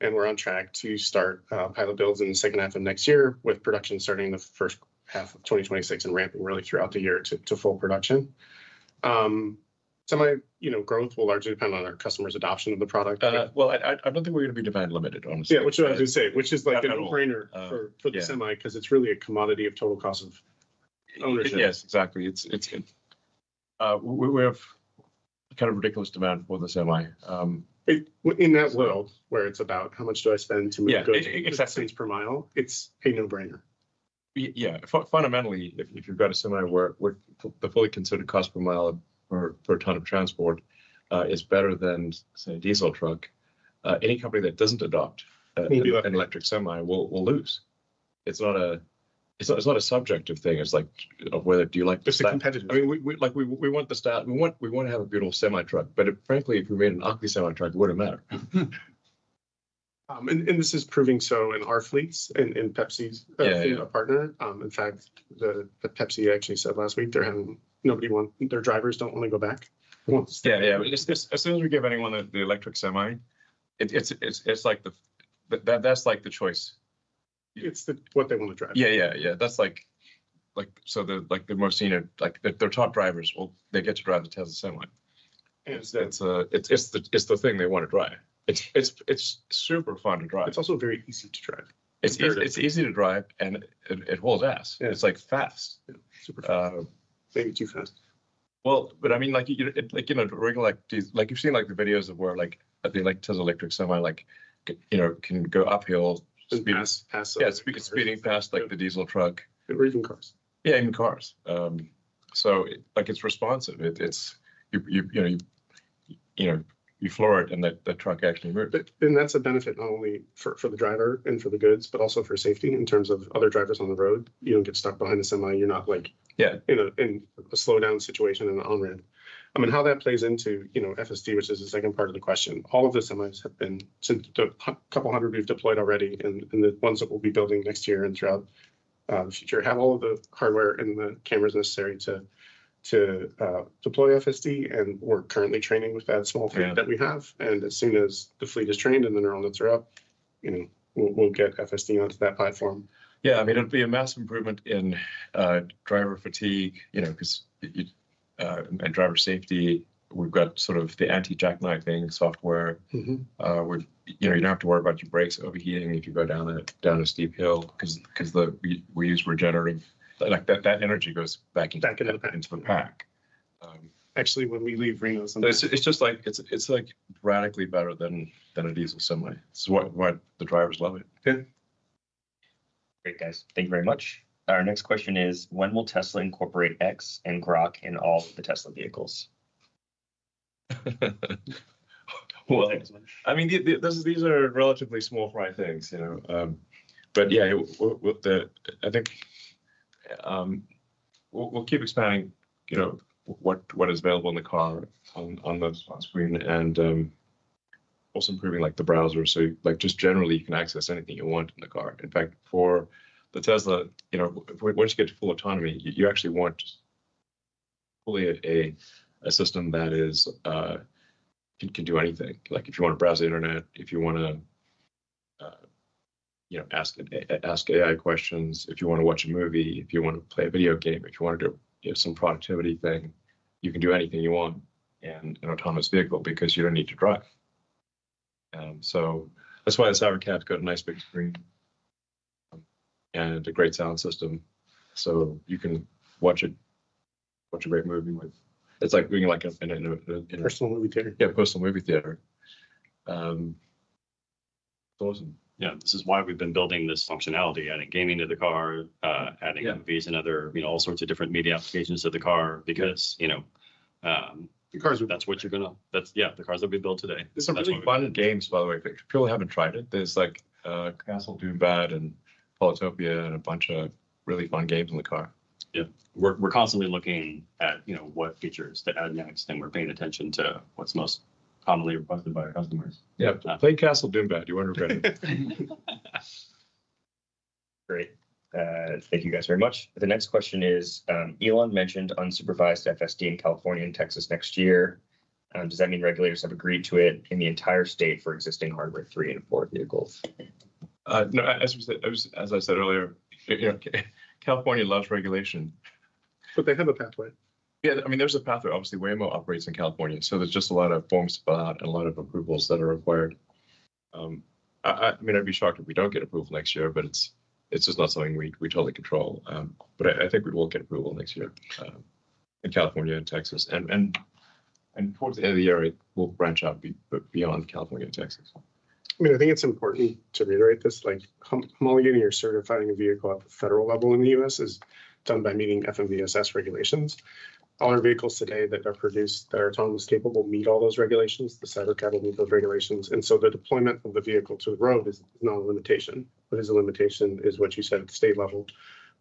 and we're on track to start pilot builds in the second half of next year, with production starting in the first half of 2026, and ramping really throughout the year to full production. Semi, you know, growth will largely depend on our customers' adoption of the product. I don't think we're gonna be demand limited, honestly. Yeah, which is what I was gonna say, which is like a no-brainer for the Semi cause it's really a commodity of total cost of ownership. Yes, exactly. It's we have kind of ridiculous demand for the Semi. In that world, where it's about how much do I spend to make cents per mile, it's a no-brainer. Yeah. Fundamentally, if you've got a Semi, where the fully considered cost per mile for a ton of transport is better than, say, a diesel truck, any company that doesn't adopt an electric Semi will lose. It's not a subjective thing. It's like, whether do you like the style? It's competitive. I mean, we like, we want the style. We want to have a beautiful Semi truck, but frankly, if we made an ugly Semi truck, it wouldn't matter. And this is proving so in our fleets and in Pepsi's, you know, partner. In fact, the Pepsi actually said last week their drivers don't want to go back. Yeah. As soon as we give anyone the electric Semi, it's like the... That's like the choice. It's what they want to drive. Yeah, yeah, yeah. That's like, like, so the, like, the more senior, like, their top drivers will- they get to drive the Tesla Semi. Yes. It's the thing they want to drive. It's super fun to drive. It's also very easy to drive. It's easy, it's easy to drive, and it hauls ass. Yeah. It's, like, fast. Yeah, super fast. Maybe too fast. But I mean, like, you know, regular, like diesel, like, you've seen, like, the Tesla electric Semi, like, you know, can go uphill. Just pass. Yeah, speeding past, like, the diesel truck. Or even cars. Yeah, even cars. So, like, it's responsive. You know, you floor it, and the truck actually moves. That's a benefit not only for the driver and for the goods, but also for safety in terms of other drivers on the road. You don't get stuck behind the Semi. You're not like, you know, in a slowdown situation in the on-ramp. I mean, how that plays into, you know, FSD, which is the second part of the question, all of the Semis have been, since the couple hundred we've deployed already and the ones that we'll be building next year and throughout the future, have all of the hardware and the cameras necessary to deploy FSD, and we're currently training with that small fleet that we have, and as soon as the fleet is trained and the neural nets are up, you know, we'll, we'll get FSD onto that platform. Yeah, I mean, it'll be a massive improvement in driver fatigue, you know, 'cause it and driver safety. We've got sort of the anti-jackknife thing software where, you know, you don't have to worry about your brakes overheating if you go down a steep hill, 'cause we use regenerative, like, that energy goes back into the pack. Back into the pack. Actually, when we leave Reno. It's just like radically better than a diesel Semi. It's why the drivers love it. Yeah. Great, guys. Thank you very much. The next question is, when will Tesla incorporate X and Grok in all of the Tesla vehicles? I mean, these are relatively small fry things, you know? But yeah, I think we'll keep expanding, you know, what is available in the car on the screen, and also improving, like, the browser. So, like, just generally, you can access anything you want in the car. In fact, for the Tesla, you know, once you get to full autonomy, you actually want just fully a system that can do anything. Like, if you want to browse the internet, if you want to, you know, ask it, ask AI questions, if you want to watch a movie, if you want to play a video game, if you want to do, you know, some productivity thing, you can do anything you want in an autonomous vehicle because you don't need to drive. So that's why the Cybercab's got a nice, big screen and a great sound system, so you can watch a great movie with, it's like being like in a, in a personal movie theater. It's awesome. Yeah, this is why we've been building this functionality, adding gaming to the car, adding movies and other, you know, all sorts of different media applications to the car, because, you know, that's the cars that we build today. There's some really fun games, by the way. If people haven't tried it, there's, like, Castle Doombad and Polytopia, and a bunch of really fun games in the car. Yeah. We're, we're constantly looking at, you know, what features to add next, and we're paying attention to what's most commonly requested by our customers. Yeah. Play Castle Doombad, you won't regret it. Great. Thank you guys very much. The next question is: Elon mentioned unsupervised FSD in California and Texas next year. Does that mean regulators have agreed to it in the entire state for existing Hardware 3 and 4 vehicles? No, as I said earlier, California loves regulation. But they have a pathway. Yeah, I mean, there's a pathway. Obviously, Waymo operates in California, so there's just a lot of forms to fill out and a lot of approvals that are required. I mean, I'd be shocked if we don't get approval next year, but it's just not something we totally control. But I think we will get approval next year in California and Texas. And towards the end of the year, it will branch out beyond California and Texas. I mean, I think it's important to reiterate this, like, homologating or certifying a vehicle at the federal level in the U.S. is done by meeting FMVSS regulations. All our vehicles today that are produced, that are autonomous capable, meet all those regulations. The Cybercab will meet those regulations, and so the deployment of the vehicle to the road is not a limitation. What is a limitation is what you said, at the state level,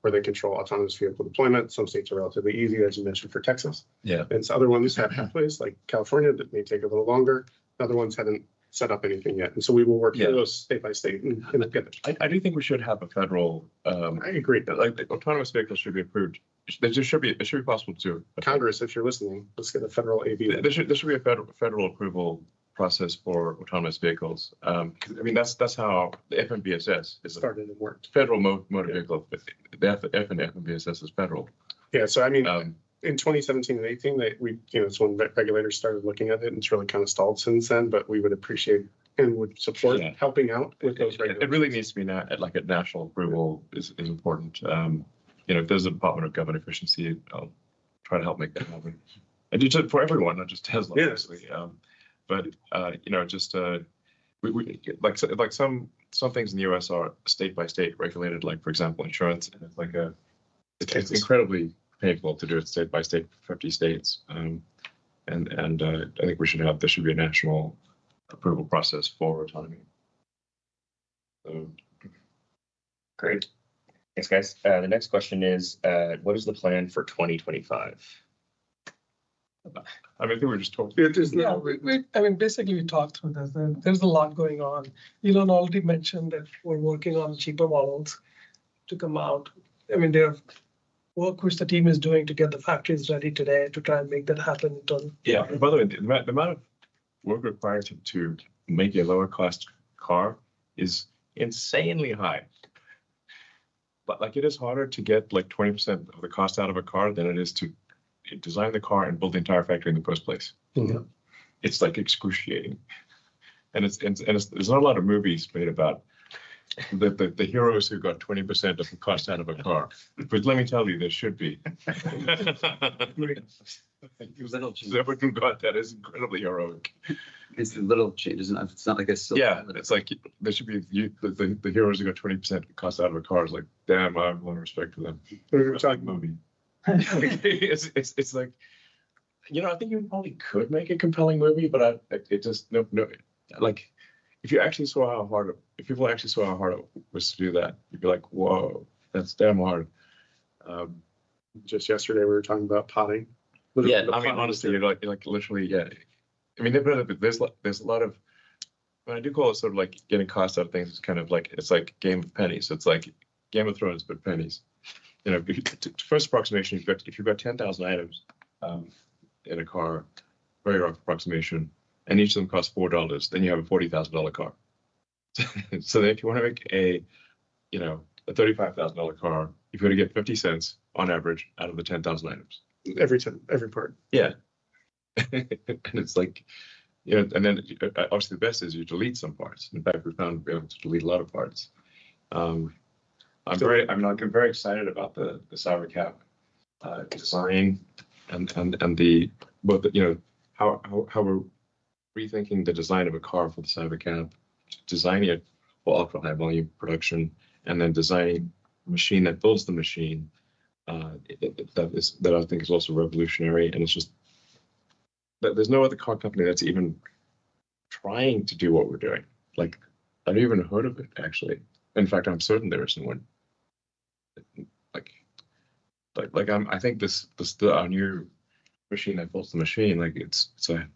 where they control autonomous vehicle deployment. Some states are relatively easy, as you mentioned for Texas. Yeah. And other ones have pathways, like California, that may take a little longer. Other ones haven't set up anything yet, and so we will work through those state by state and get there. I do think we should have a federal. I agree, like, autonomous vehicles should be approved. It should be possible to. Congress, if you're listening, let's get a federal AV. There should be a federal approval process for autonomous vehicles. 'Cause I mean, that's how the FMVSS is. It started and worked. Federal Motor Vehicle. The FMVSS is federal. Yeah, so I mean, in 2017 and 2018, we, you know, that's when regulators started looking at it, and it's really kind of stalled since then, but we would appreciate and would support helping out with those regulations. It really needs to be now at, like, a national approval is important. You know, if there's a Department of Government Efficiency, I'll try to help make that happen, and it's for everyone, not just Tesla, obviously. Yes. But you know, just, we like some things in the U.S. are state-by-state regulated, like, for example, insurance. And it's like it's incredibly painful to do it state by state, fifty states. I think there should be a national approval process for autonomy. Great. Thanks, guys. The next question is, what is the plan for 2025? I mean, I think we just talked. It is now. Yeah, we, I mean, basically, we talked through this. There's a lot going on. Elon already mentioned that we're working on cheaper models to come out. I mean, there's work which the team is doing to get the factories ready today to try and make that happen in terms. Yeah. By the way, the amount of work required to make a lower-cost car is insanely high. But, like, it is harder to get, like, 20% of the cost out of a car than it is to design the car and build the entire factory in the first place. Yeah. It's, like, excruciating. And there's not a lot of movies made about the heroes who got 20% of the cost out of a car. But let me tell you, there should be. Little changes. Whoever got that is incredibly heroic. It's the little changes, and it's not like a silver bullet. Yeah. It's like, there should be the heroes who got 20% of the cost out of a car. It's like, damn, I have a lot of respect for them. It's like a movie. You know, I think you probably could make a compelling movie, but it just, no, no, like, if you actually saw how hard, if people actually saw how hard it was to do that, you'd be like: "Whoa, that's damn hard." Just yesterday, we were talking about Polytopia. Yeah. I mean, honestly, like, like literally, yeah. I mean, there, there's a lot of, what I do call it, sort of like, getting cost out of things, it's kind of like, it's like Game of Pennies. So it's like Game of Thrones, but pennies. You know, first approximation, if you, if you've got 10,000 items in a car, very rough approximation, and each of them costs $40, then you have a $40,000 car. So if you want to make a, you know, a $35,000 car, you've got to get $0.50 on average out of the 10,000 items. Every ten, every part. Yeah. And it's like. You know, and then, obviously, the best is you delete some parts. In fact, we've found we're able to delete a lot of parts. I'm very excited about the Cybercab design and the, but you know, how we're rethinking the design of a car for the Cybercab, designing it for high volume production, and then designing a machine that builds the machine. That I think is also revolutionary, and it's just. There's no other car company that's even trying to do what we're doing. Like, I've even heard of it, actually. In fact, I'm certain there isn't one. Like, I think this, our new machine that builds the machine, like it's, it's a-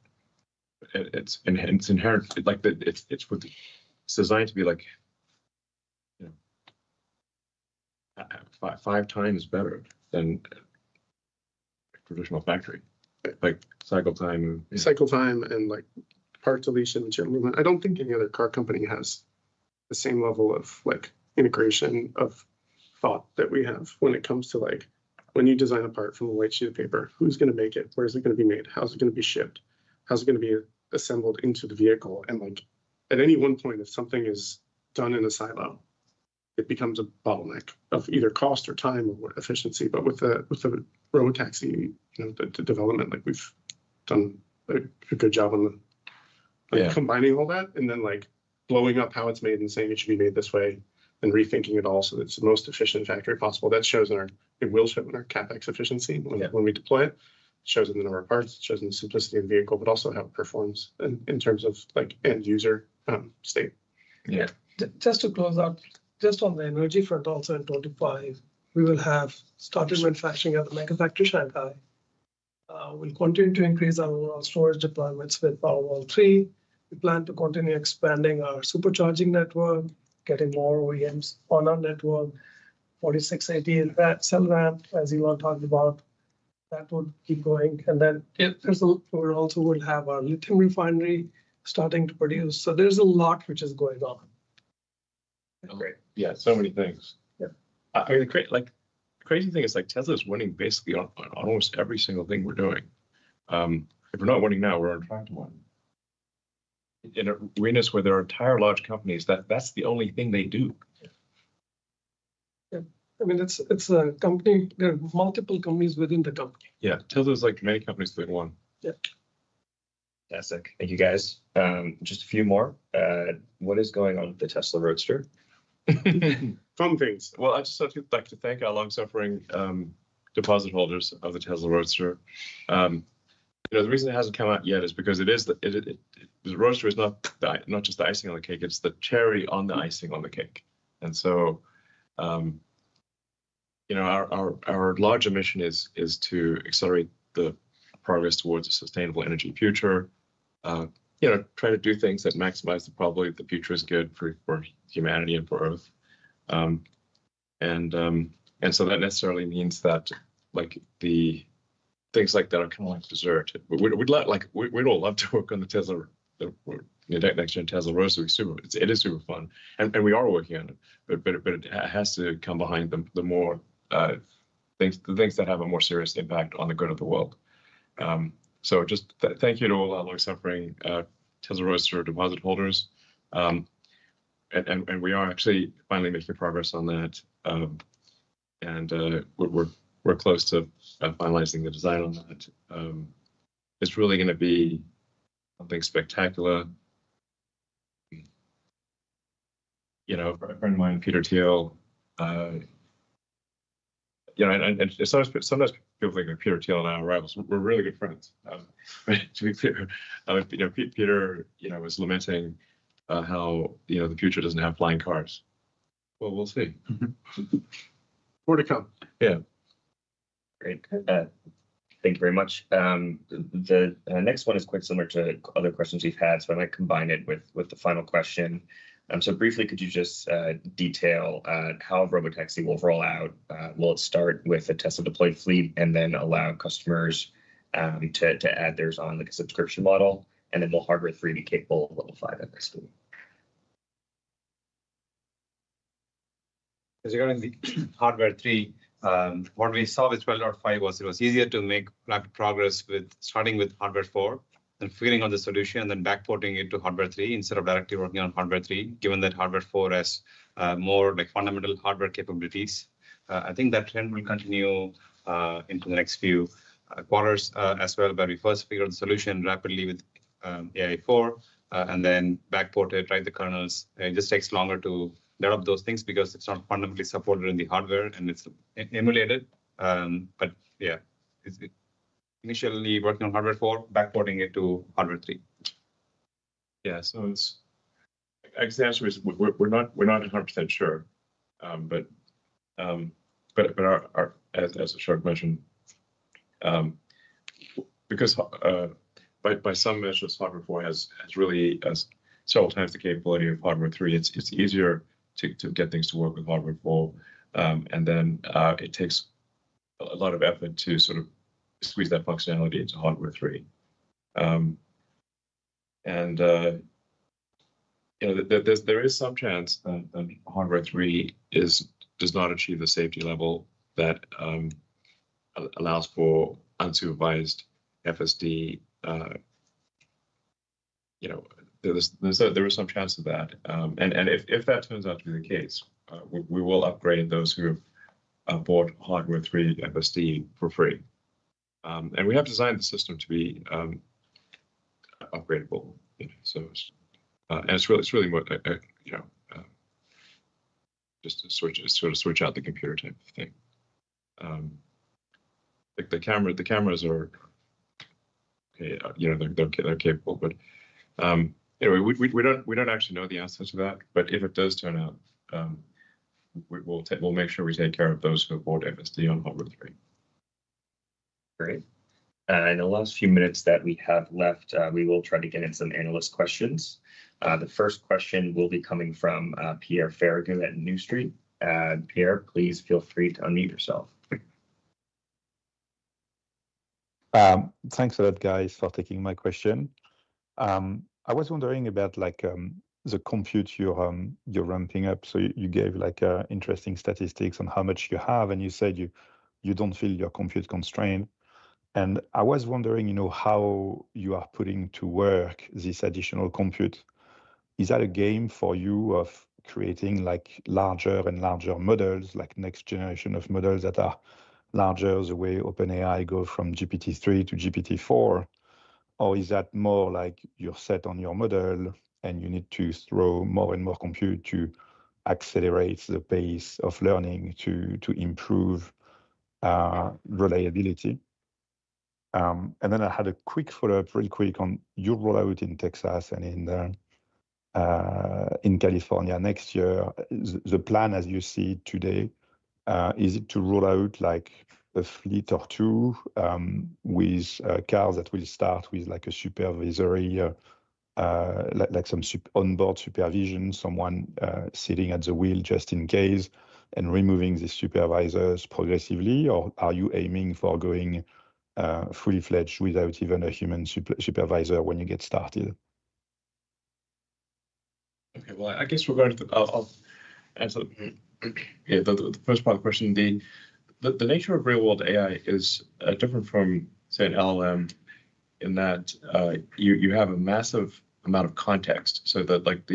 it, it's inherent- like, the- it's designed to be like, 5x better than traditional factory. Like, cycle time. Cycle time, and like part deletion, and general. I don't think any other car company has the same level of, like, integration of thought that we have when it comes to, like, when you design a part from a white sheet of paper. Who's gonna make it? Where is it gonna be made? How is it gonna be shipped? How's it gonna be assembled into the vehicle? And like at any one point, if something is done in a silo, it becomes a bottleneck of either cost or time or efficiency. But with the Robotaxi, you know, the development, like, we've done a good job on combining all that, and then, like, blowing up how it's made and saying it should be made this way, and rethinking it all so it's the most efficient factory possible. That shows in our- it will show in our CapEx efficiency when we deploy it. It shows in the number of parts, it shows in the simplicity of the vehicle, but also how it performs in terms of, like, end user state. Yeah. Just, just to close out, just on the energy front, also in 2025, we will have started manufacturing at the Megafactory Shanghai. We'll continue to increase our storage deployments with Powerwall 3. We plan to continue expanding our supercharging network, getting more OEMs on our network, 4680 cell ramp, as you all talked about. That would keep going, and then if there's a- we're also will have our lithium refinery starting to produce. So there's a lot which is going on. Great. Yeah, so many things. Yeah. I mean, like, the crazy thing is, like, Tesla is winning basically on almost every single thing we're doing. If we're not winning now, we're on track to win. In arenas where there are entire large companies, that's the only thing they do. Yeah. I mean, it's a company. There are multiple companies within the company. Yeah. Tesla is like many companies in one. Yeah. That's it. Thank you, guys. Just a few more. What is going on with the Tesla Roadster? Fun things. Well, I just like to thank our long-suffering deposit holders of the Tesla Roadster. You know, the reason it hasn't come out yet is because the Roadster is not just the icing on the cake, it's the cherry on the icing on the cake. And so, you know, our larger mission is to accelerate the progress towards a sustainable energy future. You know, try to do things that maximize the probability that the future is good for humanity and for Earth. And so that necessarily means that, like, the things like that are kind of like dessert. We'd all love to work on the Tesla, the next-gen Tesla Roadster. It is super fun, and we are working on it. But it has to come behind the more things that have a more serious impact on the good of the world. So just thank you to all our long-suffering Tesla Roadster deposit holders. And we are actually finally making progress on that. And we're close to finalizing the design on that. It's really gonna be something spectacular. You know, a friend of mine, Peter Thiel... You know, and sometimes people think that Peter Thiel and I are rivals. We're really good friends, to be clear. You know, Peter was lamenting how the future doesn't have flying cars. Well, we'll see. More to come. Yeah. Great. Thank you very much. The next one is quite similar to other questions we've had, so I might combine it with the final question. So briefly, could you just detail how Robotaxi will roll out? Will it start with the Tesla deployed fleet, and then allow customers to add theirs on, like, a subscription model, and then will Hardware 3 be capable of Level 5 FSD? Regarding the Hardware 3, what we saw with 12.5 was it was easier to make rapid progress with starting with Hardware 4, and figuring out the solution, and then backporting it to Hardware 3, instead of directly working on Hardware 3, given that Hardware 4 has more, like, fundamental hardware capabilities. I think that trend will continue into the next few quarters as well, where we first figure out the solution rapidly with AI4, and then backport it, write the kernels. It just takes longer to develop those things because it's not fundamentally supported in the hardware, and it's emulated, but yeah, it's initially working on Hardware 4, backporting it to Hardware 3. Yeah, so I guess the answer is we're not 100% sure, but as a short answer, because by some measures Hardware 4 has really several times the capability of Hardware 3. It's easier to get things to work with Hardware 4, and then it takes a lot of effort to sort of squeeze that functionality into Hardware 3. You know, there is some chance that Hardware 3 does not achieve the safety level that allows for unsupervised FSD, you know, there is some chance of that, if that turns out to be the case, we will upgrade those who have bought Hardware 3 FSD for free. And we have designed the system to be upgradable. So, and it's really, it's really work, you know, just to sort of switch out the computer type of thing. Like the camera, the cameras are, you know, they're capable, but anyway, we don't actually know the answer to that, but if it does turn out, we'll make sure we take care of those who have bought FSD on Hardware 3. Great. In the last few minutes that we have left, we will try to get in some analyst questions. The first question will be coming from Pierre Ferragu at New Street. Pierre, please feel free to unmute yourself. Thanks a lot, guys, for taking my question. I was wondering about, like, the compute you're ramping up. So you gave, like, interesting statistics on how much you have, and you said you don't feel you're compute-constrained. And I was wondering, you know, how you are putting to work this additional compute. Is that a game for you of creating, like, larger and larger models, like next generation of models that are larger the way OpenAI go from GPT-3 to GPT-4? Or is that more like you're set on your model, and you need to throw more and more compute to accelerate the pace of learning to improve reliability? And then I had a quick follow-up, really quick, on your rollout in Texas and in California next year. The plan as you see it today is it to roll out, like, a fleet or two with cars that will start with, like, a supervisory, like, some onboard supervision, someone sitting at the wheel just in case, and removing the supervisors progressively? Or are you aiming for going fully-fledged without even a human supervisor when you get started? Okay, well, I guess regarding the, I'll answer, yeah, the first part of the question. The nature of real-world AI is different from, say, an LLM, in that you have a massive amount of context, so that, like,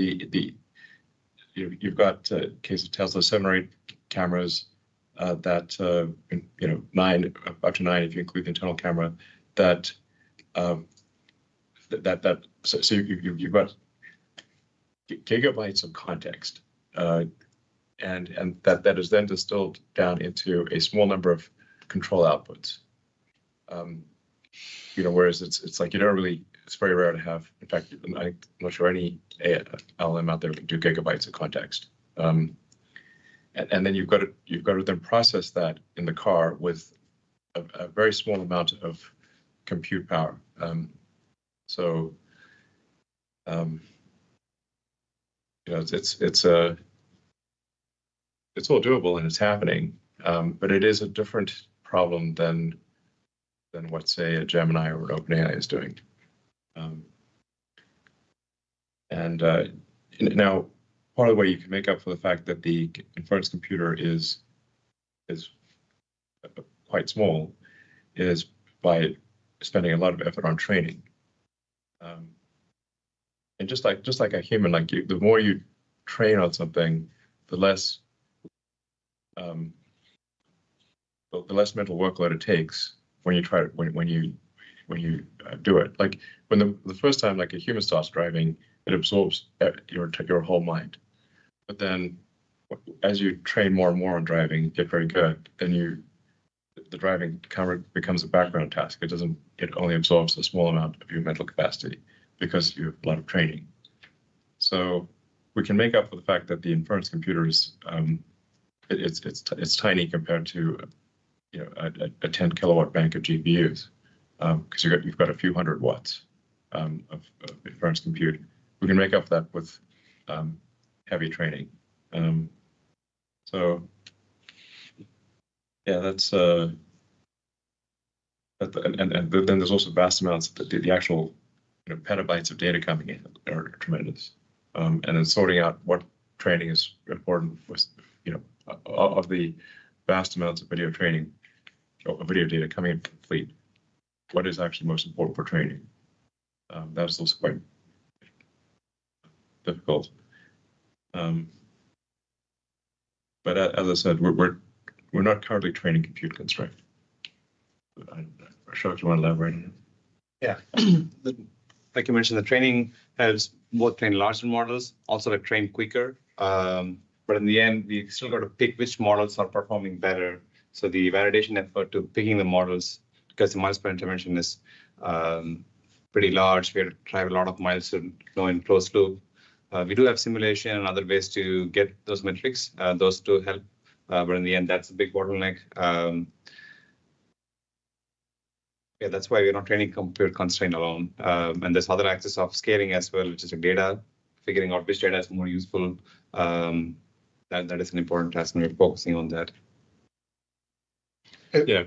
you've got a case of Tesla's seven or eight cameras, that you know, up to nine, if you include the internal camera. So you've got gigabytes of context. And that is then distilled down into a small number of control outputs. You know, whereas it's like you don't really, it's very rare to have. In fact, I'm not sure any AI, LLM out there can do gigabytes of context. Then you've got to process that in the car with a very small amount of compute power. You know, it's all doable, and it's happening, but it is a different problem than what, say, a Gemini or an OpenAI is doing. Now, part of the way you can make up for the fact that the inference computer is quite small is by spending a lot of effort on training. And just like a human, like you, the more you train on something, the less mental workload it takes when you try to do it. Like, when the first time, like, a human starts driving, it absorbs your whole mind. But then, as you train more and more on driving, you get very good, then the driving becomes a background task. It doesn't. It only absorbs a small amount of your mental capacity because you have a lot of training. So we can make up for the fact that the inference computer is. It's tiny compared to, you know, a 10 kW bank of GPUs, 'cause you've got a few hundred watts of inference compute. We can make up for that with heavy training. So yeah, that's... And then there's also vast amounts, the actual, you know, petabytes of data coming in are tremendous. And then sorting out what training is important with, you know, of the vast amounts of video training or video data coming in from the fleet, what is actually most important for training? That is also quite difficult. But as I said, we're not currently training compute constrained. But, Ashok, do you want to elaborate on it? Yeah. Like you mentioned, the training helps both train larger models, also to train quicker. But in the end, we've still got to pick which models are performing better. So the validation effort to picking the models, because the miles per intervention is pretty large, we have to drive a lot of miles to go in closed loop. We do have simulation and other ways to get those metrics, those do help, but in the end, that's a big bottleneck. Yeah, that's why we're not training compute constrained alone. And there's other axes of scaling as well, which is the data, figuring out which data is more useful. That is an important task, and we're focusing on that. Yeah.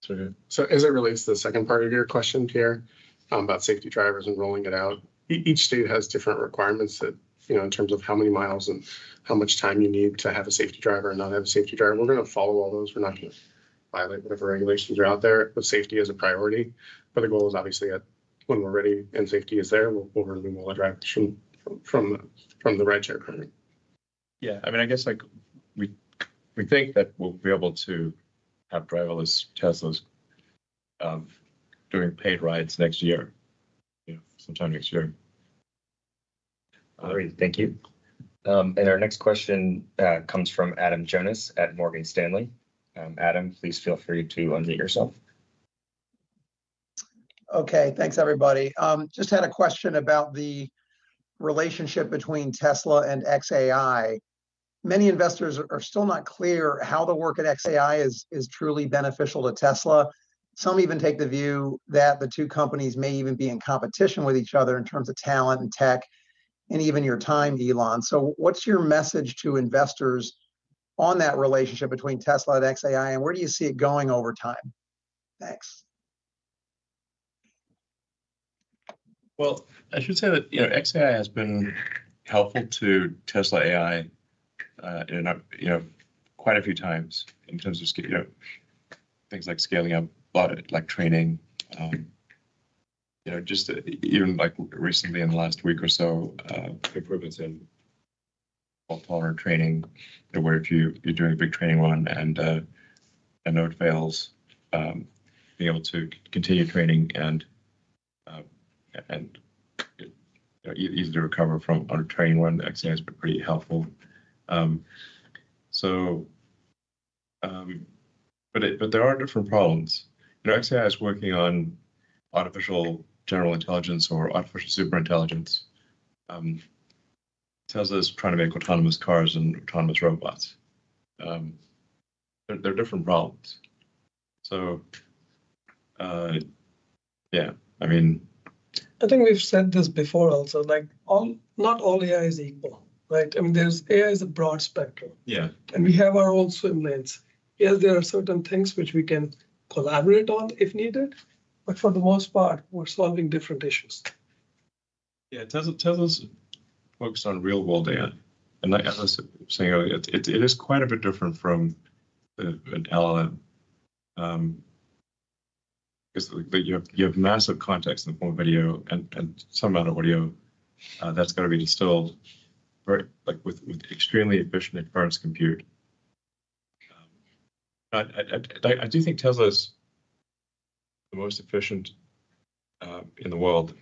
It's all good. So as it relates to the second part of your question, Pierre, about safety drivers and rolling it out, each state has different requirements that, you know, in terms of how many miles and how much time you need to have a safety driver or not have a safety driver. We're gonna follow all those. We're not gonna violate whatever regulations are out there, but safety is a priority. But the goal is obviously at, when we're ready and safety is there, we'll remove all the drivers from the rideshare program. Yeah, I mean, I guess, like, we think that we'll be able to have driverless Teslas doing paid rides next year. Yeah, sometime next year. All right. Thank you, and our next question comes from Adam Jonas at Morgan Stanley. Adam, please feel free to unmute yourself. Okay, thanks, everybody. Just had a question about the relationship between Tesla and xAI. Many investors are still not clear how the work at xAI is truly beneficial to Tesla. Some even take the view that the two companies may even be in competition with each other in terms of talent and tech, and even your time, Elon. So what's your message to investors on that relationship between Tesla and xAI, and where do you see it going over time? Thanks. Well, I should say that, you know, xAI has been helpful to Tesla AI in, you know, quite a few times in terms of, you know, things like scaling up, a lot like training. You know, just even, like, recently in the last week or so, improvements in fault-tolerant training, where if you're doing a big training run and a node fails, being able to continue training and easy to recover from on a training run, xAI has been pretty helpful. So, but there are different problems. You know, xAI is working on artificial general intelligence or artificial super intelligence. Tesla is trying to make autonomous cars and autonomous robots. They're different problems. So, yeah, I mean. I think we've said this before also, like, not all AI is equal, right? I mean, there's AI. AI is a broad spectrum. Yeah. We have our own swim lanes. Yes, there are certain things which we can collaborate on if needed, but for the most part, we're solving different issues. Yeah, Tesla's focused on real-world AI, and like I was saying earlier, it is quite a bit different from an LLM. Because like you have massive context in the form of video and some amount of audio that's gotta be distilled, right, like with extremely efficient inference compute. I do think Tesla is the most efficient in the world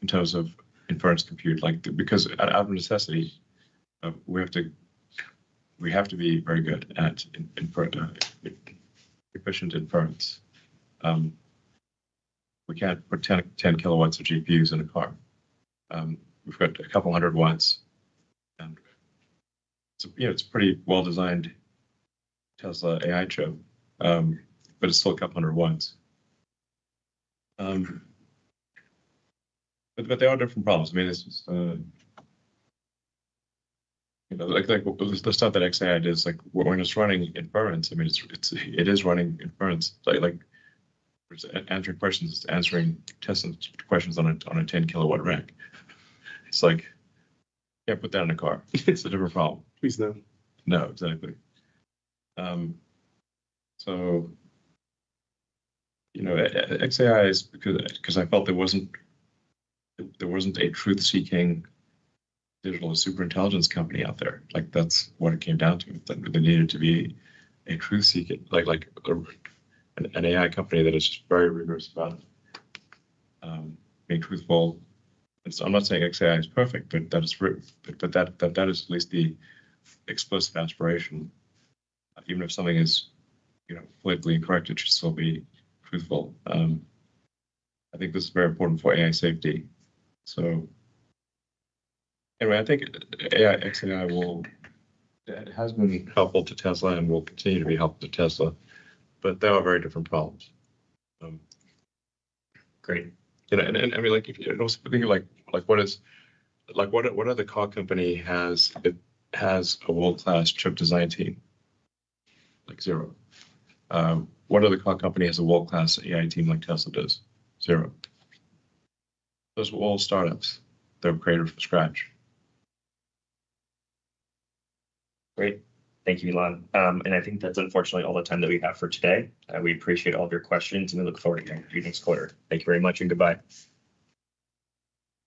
in terms of inference compute. Like, because out of necessity, we have to be very good at efficient inference. We can't put 10 kW of GPUs in a car. We've got a couple hundred watts, and you know, it's a pretty well-designed Tesla AI chip, but it's still a couple hundred watts. But there are different problems. You know, like the stuff that xAI does, like, when it's running inference, I mean, it is running inference. Like, it's answering questions, it's answering Tesla's questions on a 10-kW rack. It's like, can't put that in a car. It's a different problem. Please, no. No, exactly. So, you know, xAI is because I felt there wasn't a truth-seeking digital super intelligence company out there. Like, that's what it came down to. There needed to be a truth-seeking like, an AI company that is just very rigorous about being truthful. And so I'm not saying xAI is perfect, but that is true. But that is at least the explicit aspiration. Even if something is, you know, politically incorrect, it should still be truthful. I think this is very important for AI safety. So anyway, I think AI, xAI will. It has been helpful to Tesla and will continue to be helpful to Tesla, but they are very different problems. Great. You know, I mean, like, if you also think, like, what other car company has a world-class chip design team? Like, zero. What other car company has a world-class AI team like Tesla does? Zero. Those are all startups that were created from scratch. Great. Thank you, Elon. I think that's unfortunately all the time that we have for today. We appreciate all of your questions, and we look forward to talking to you next quarter. Thank you very much, and goodbye.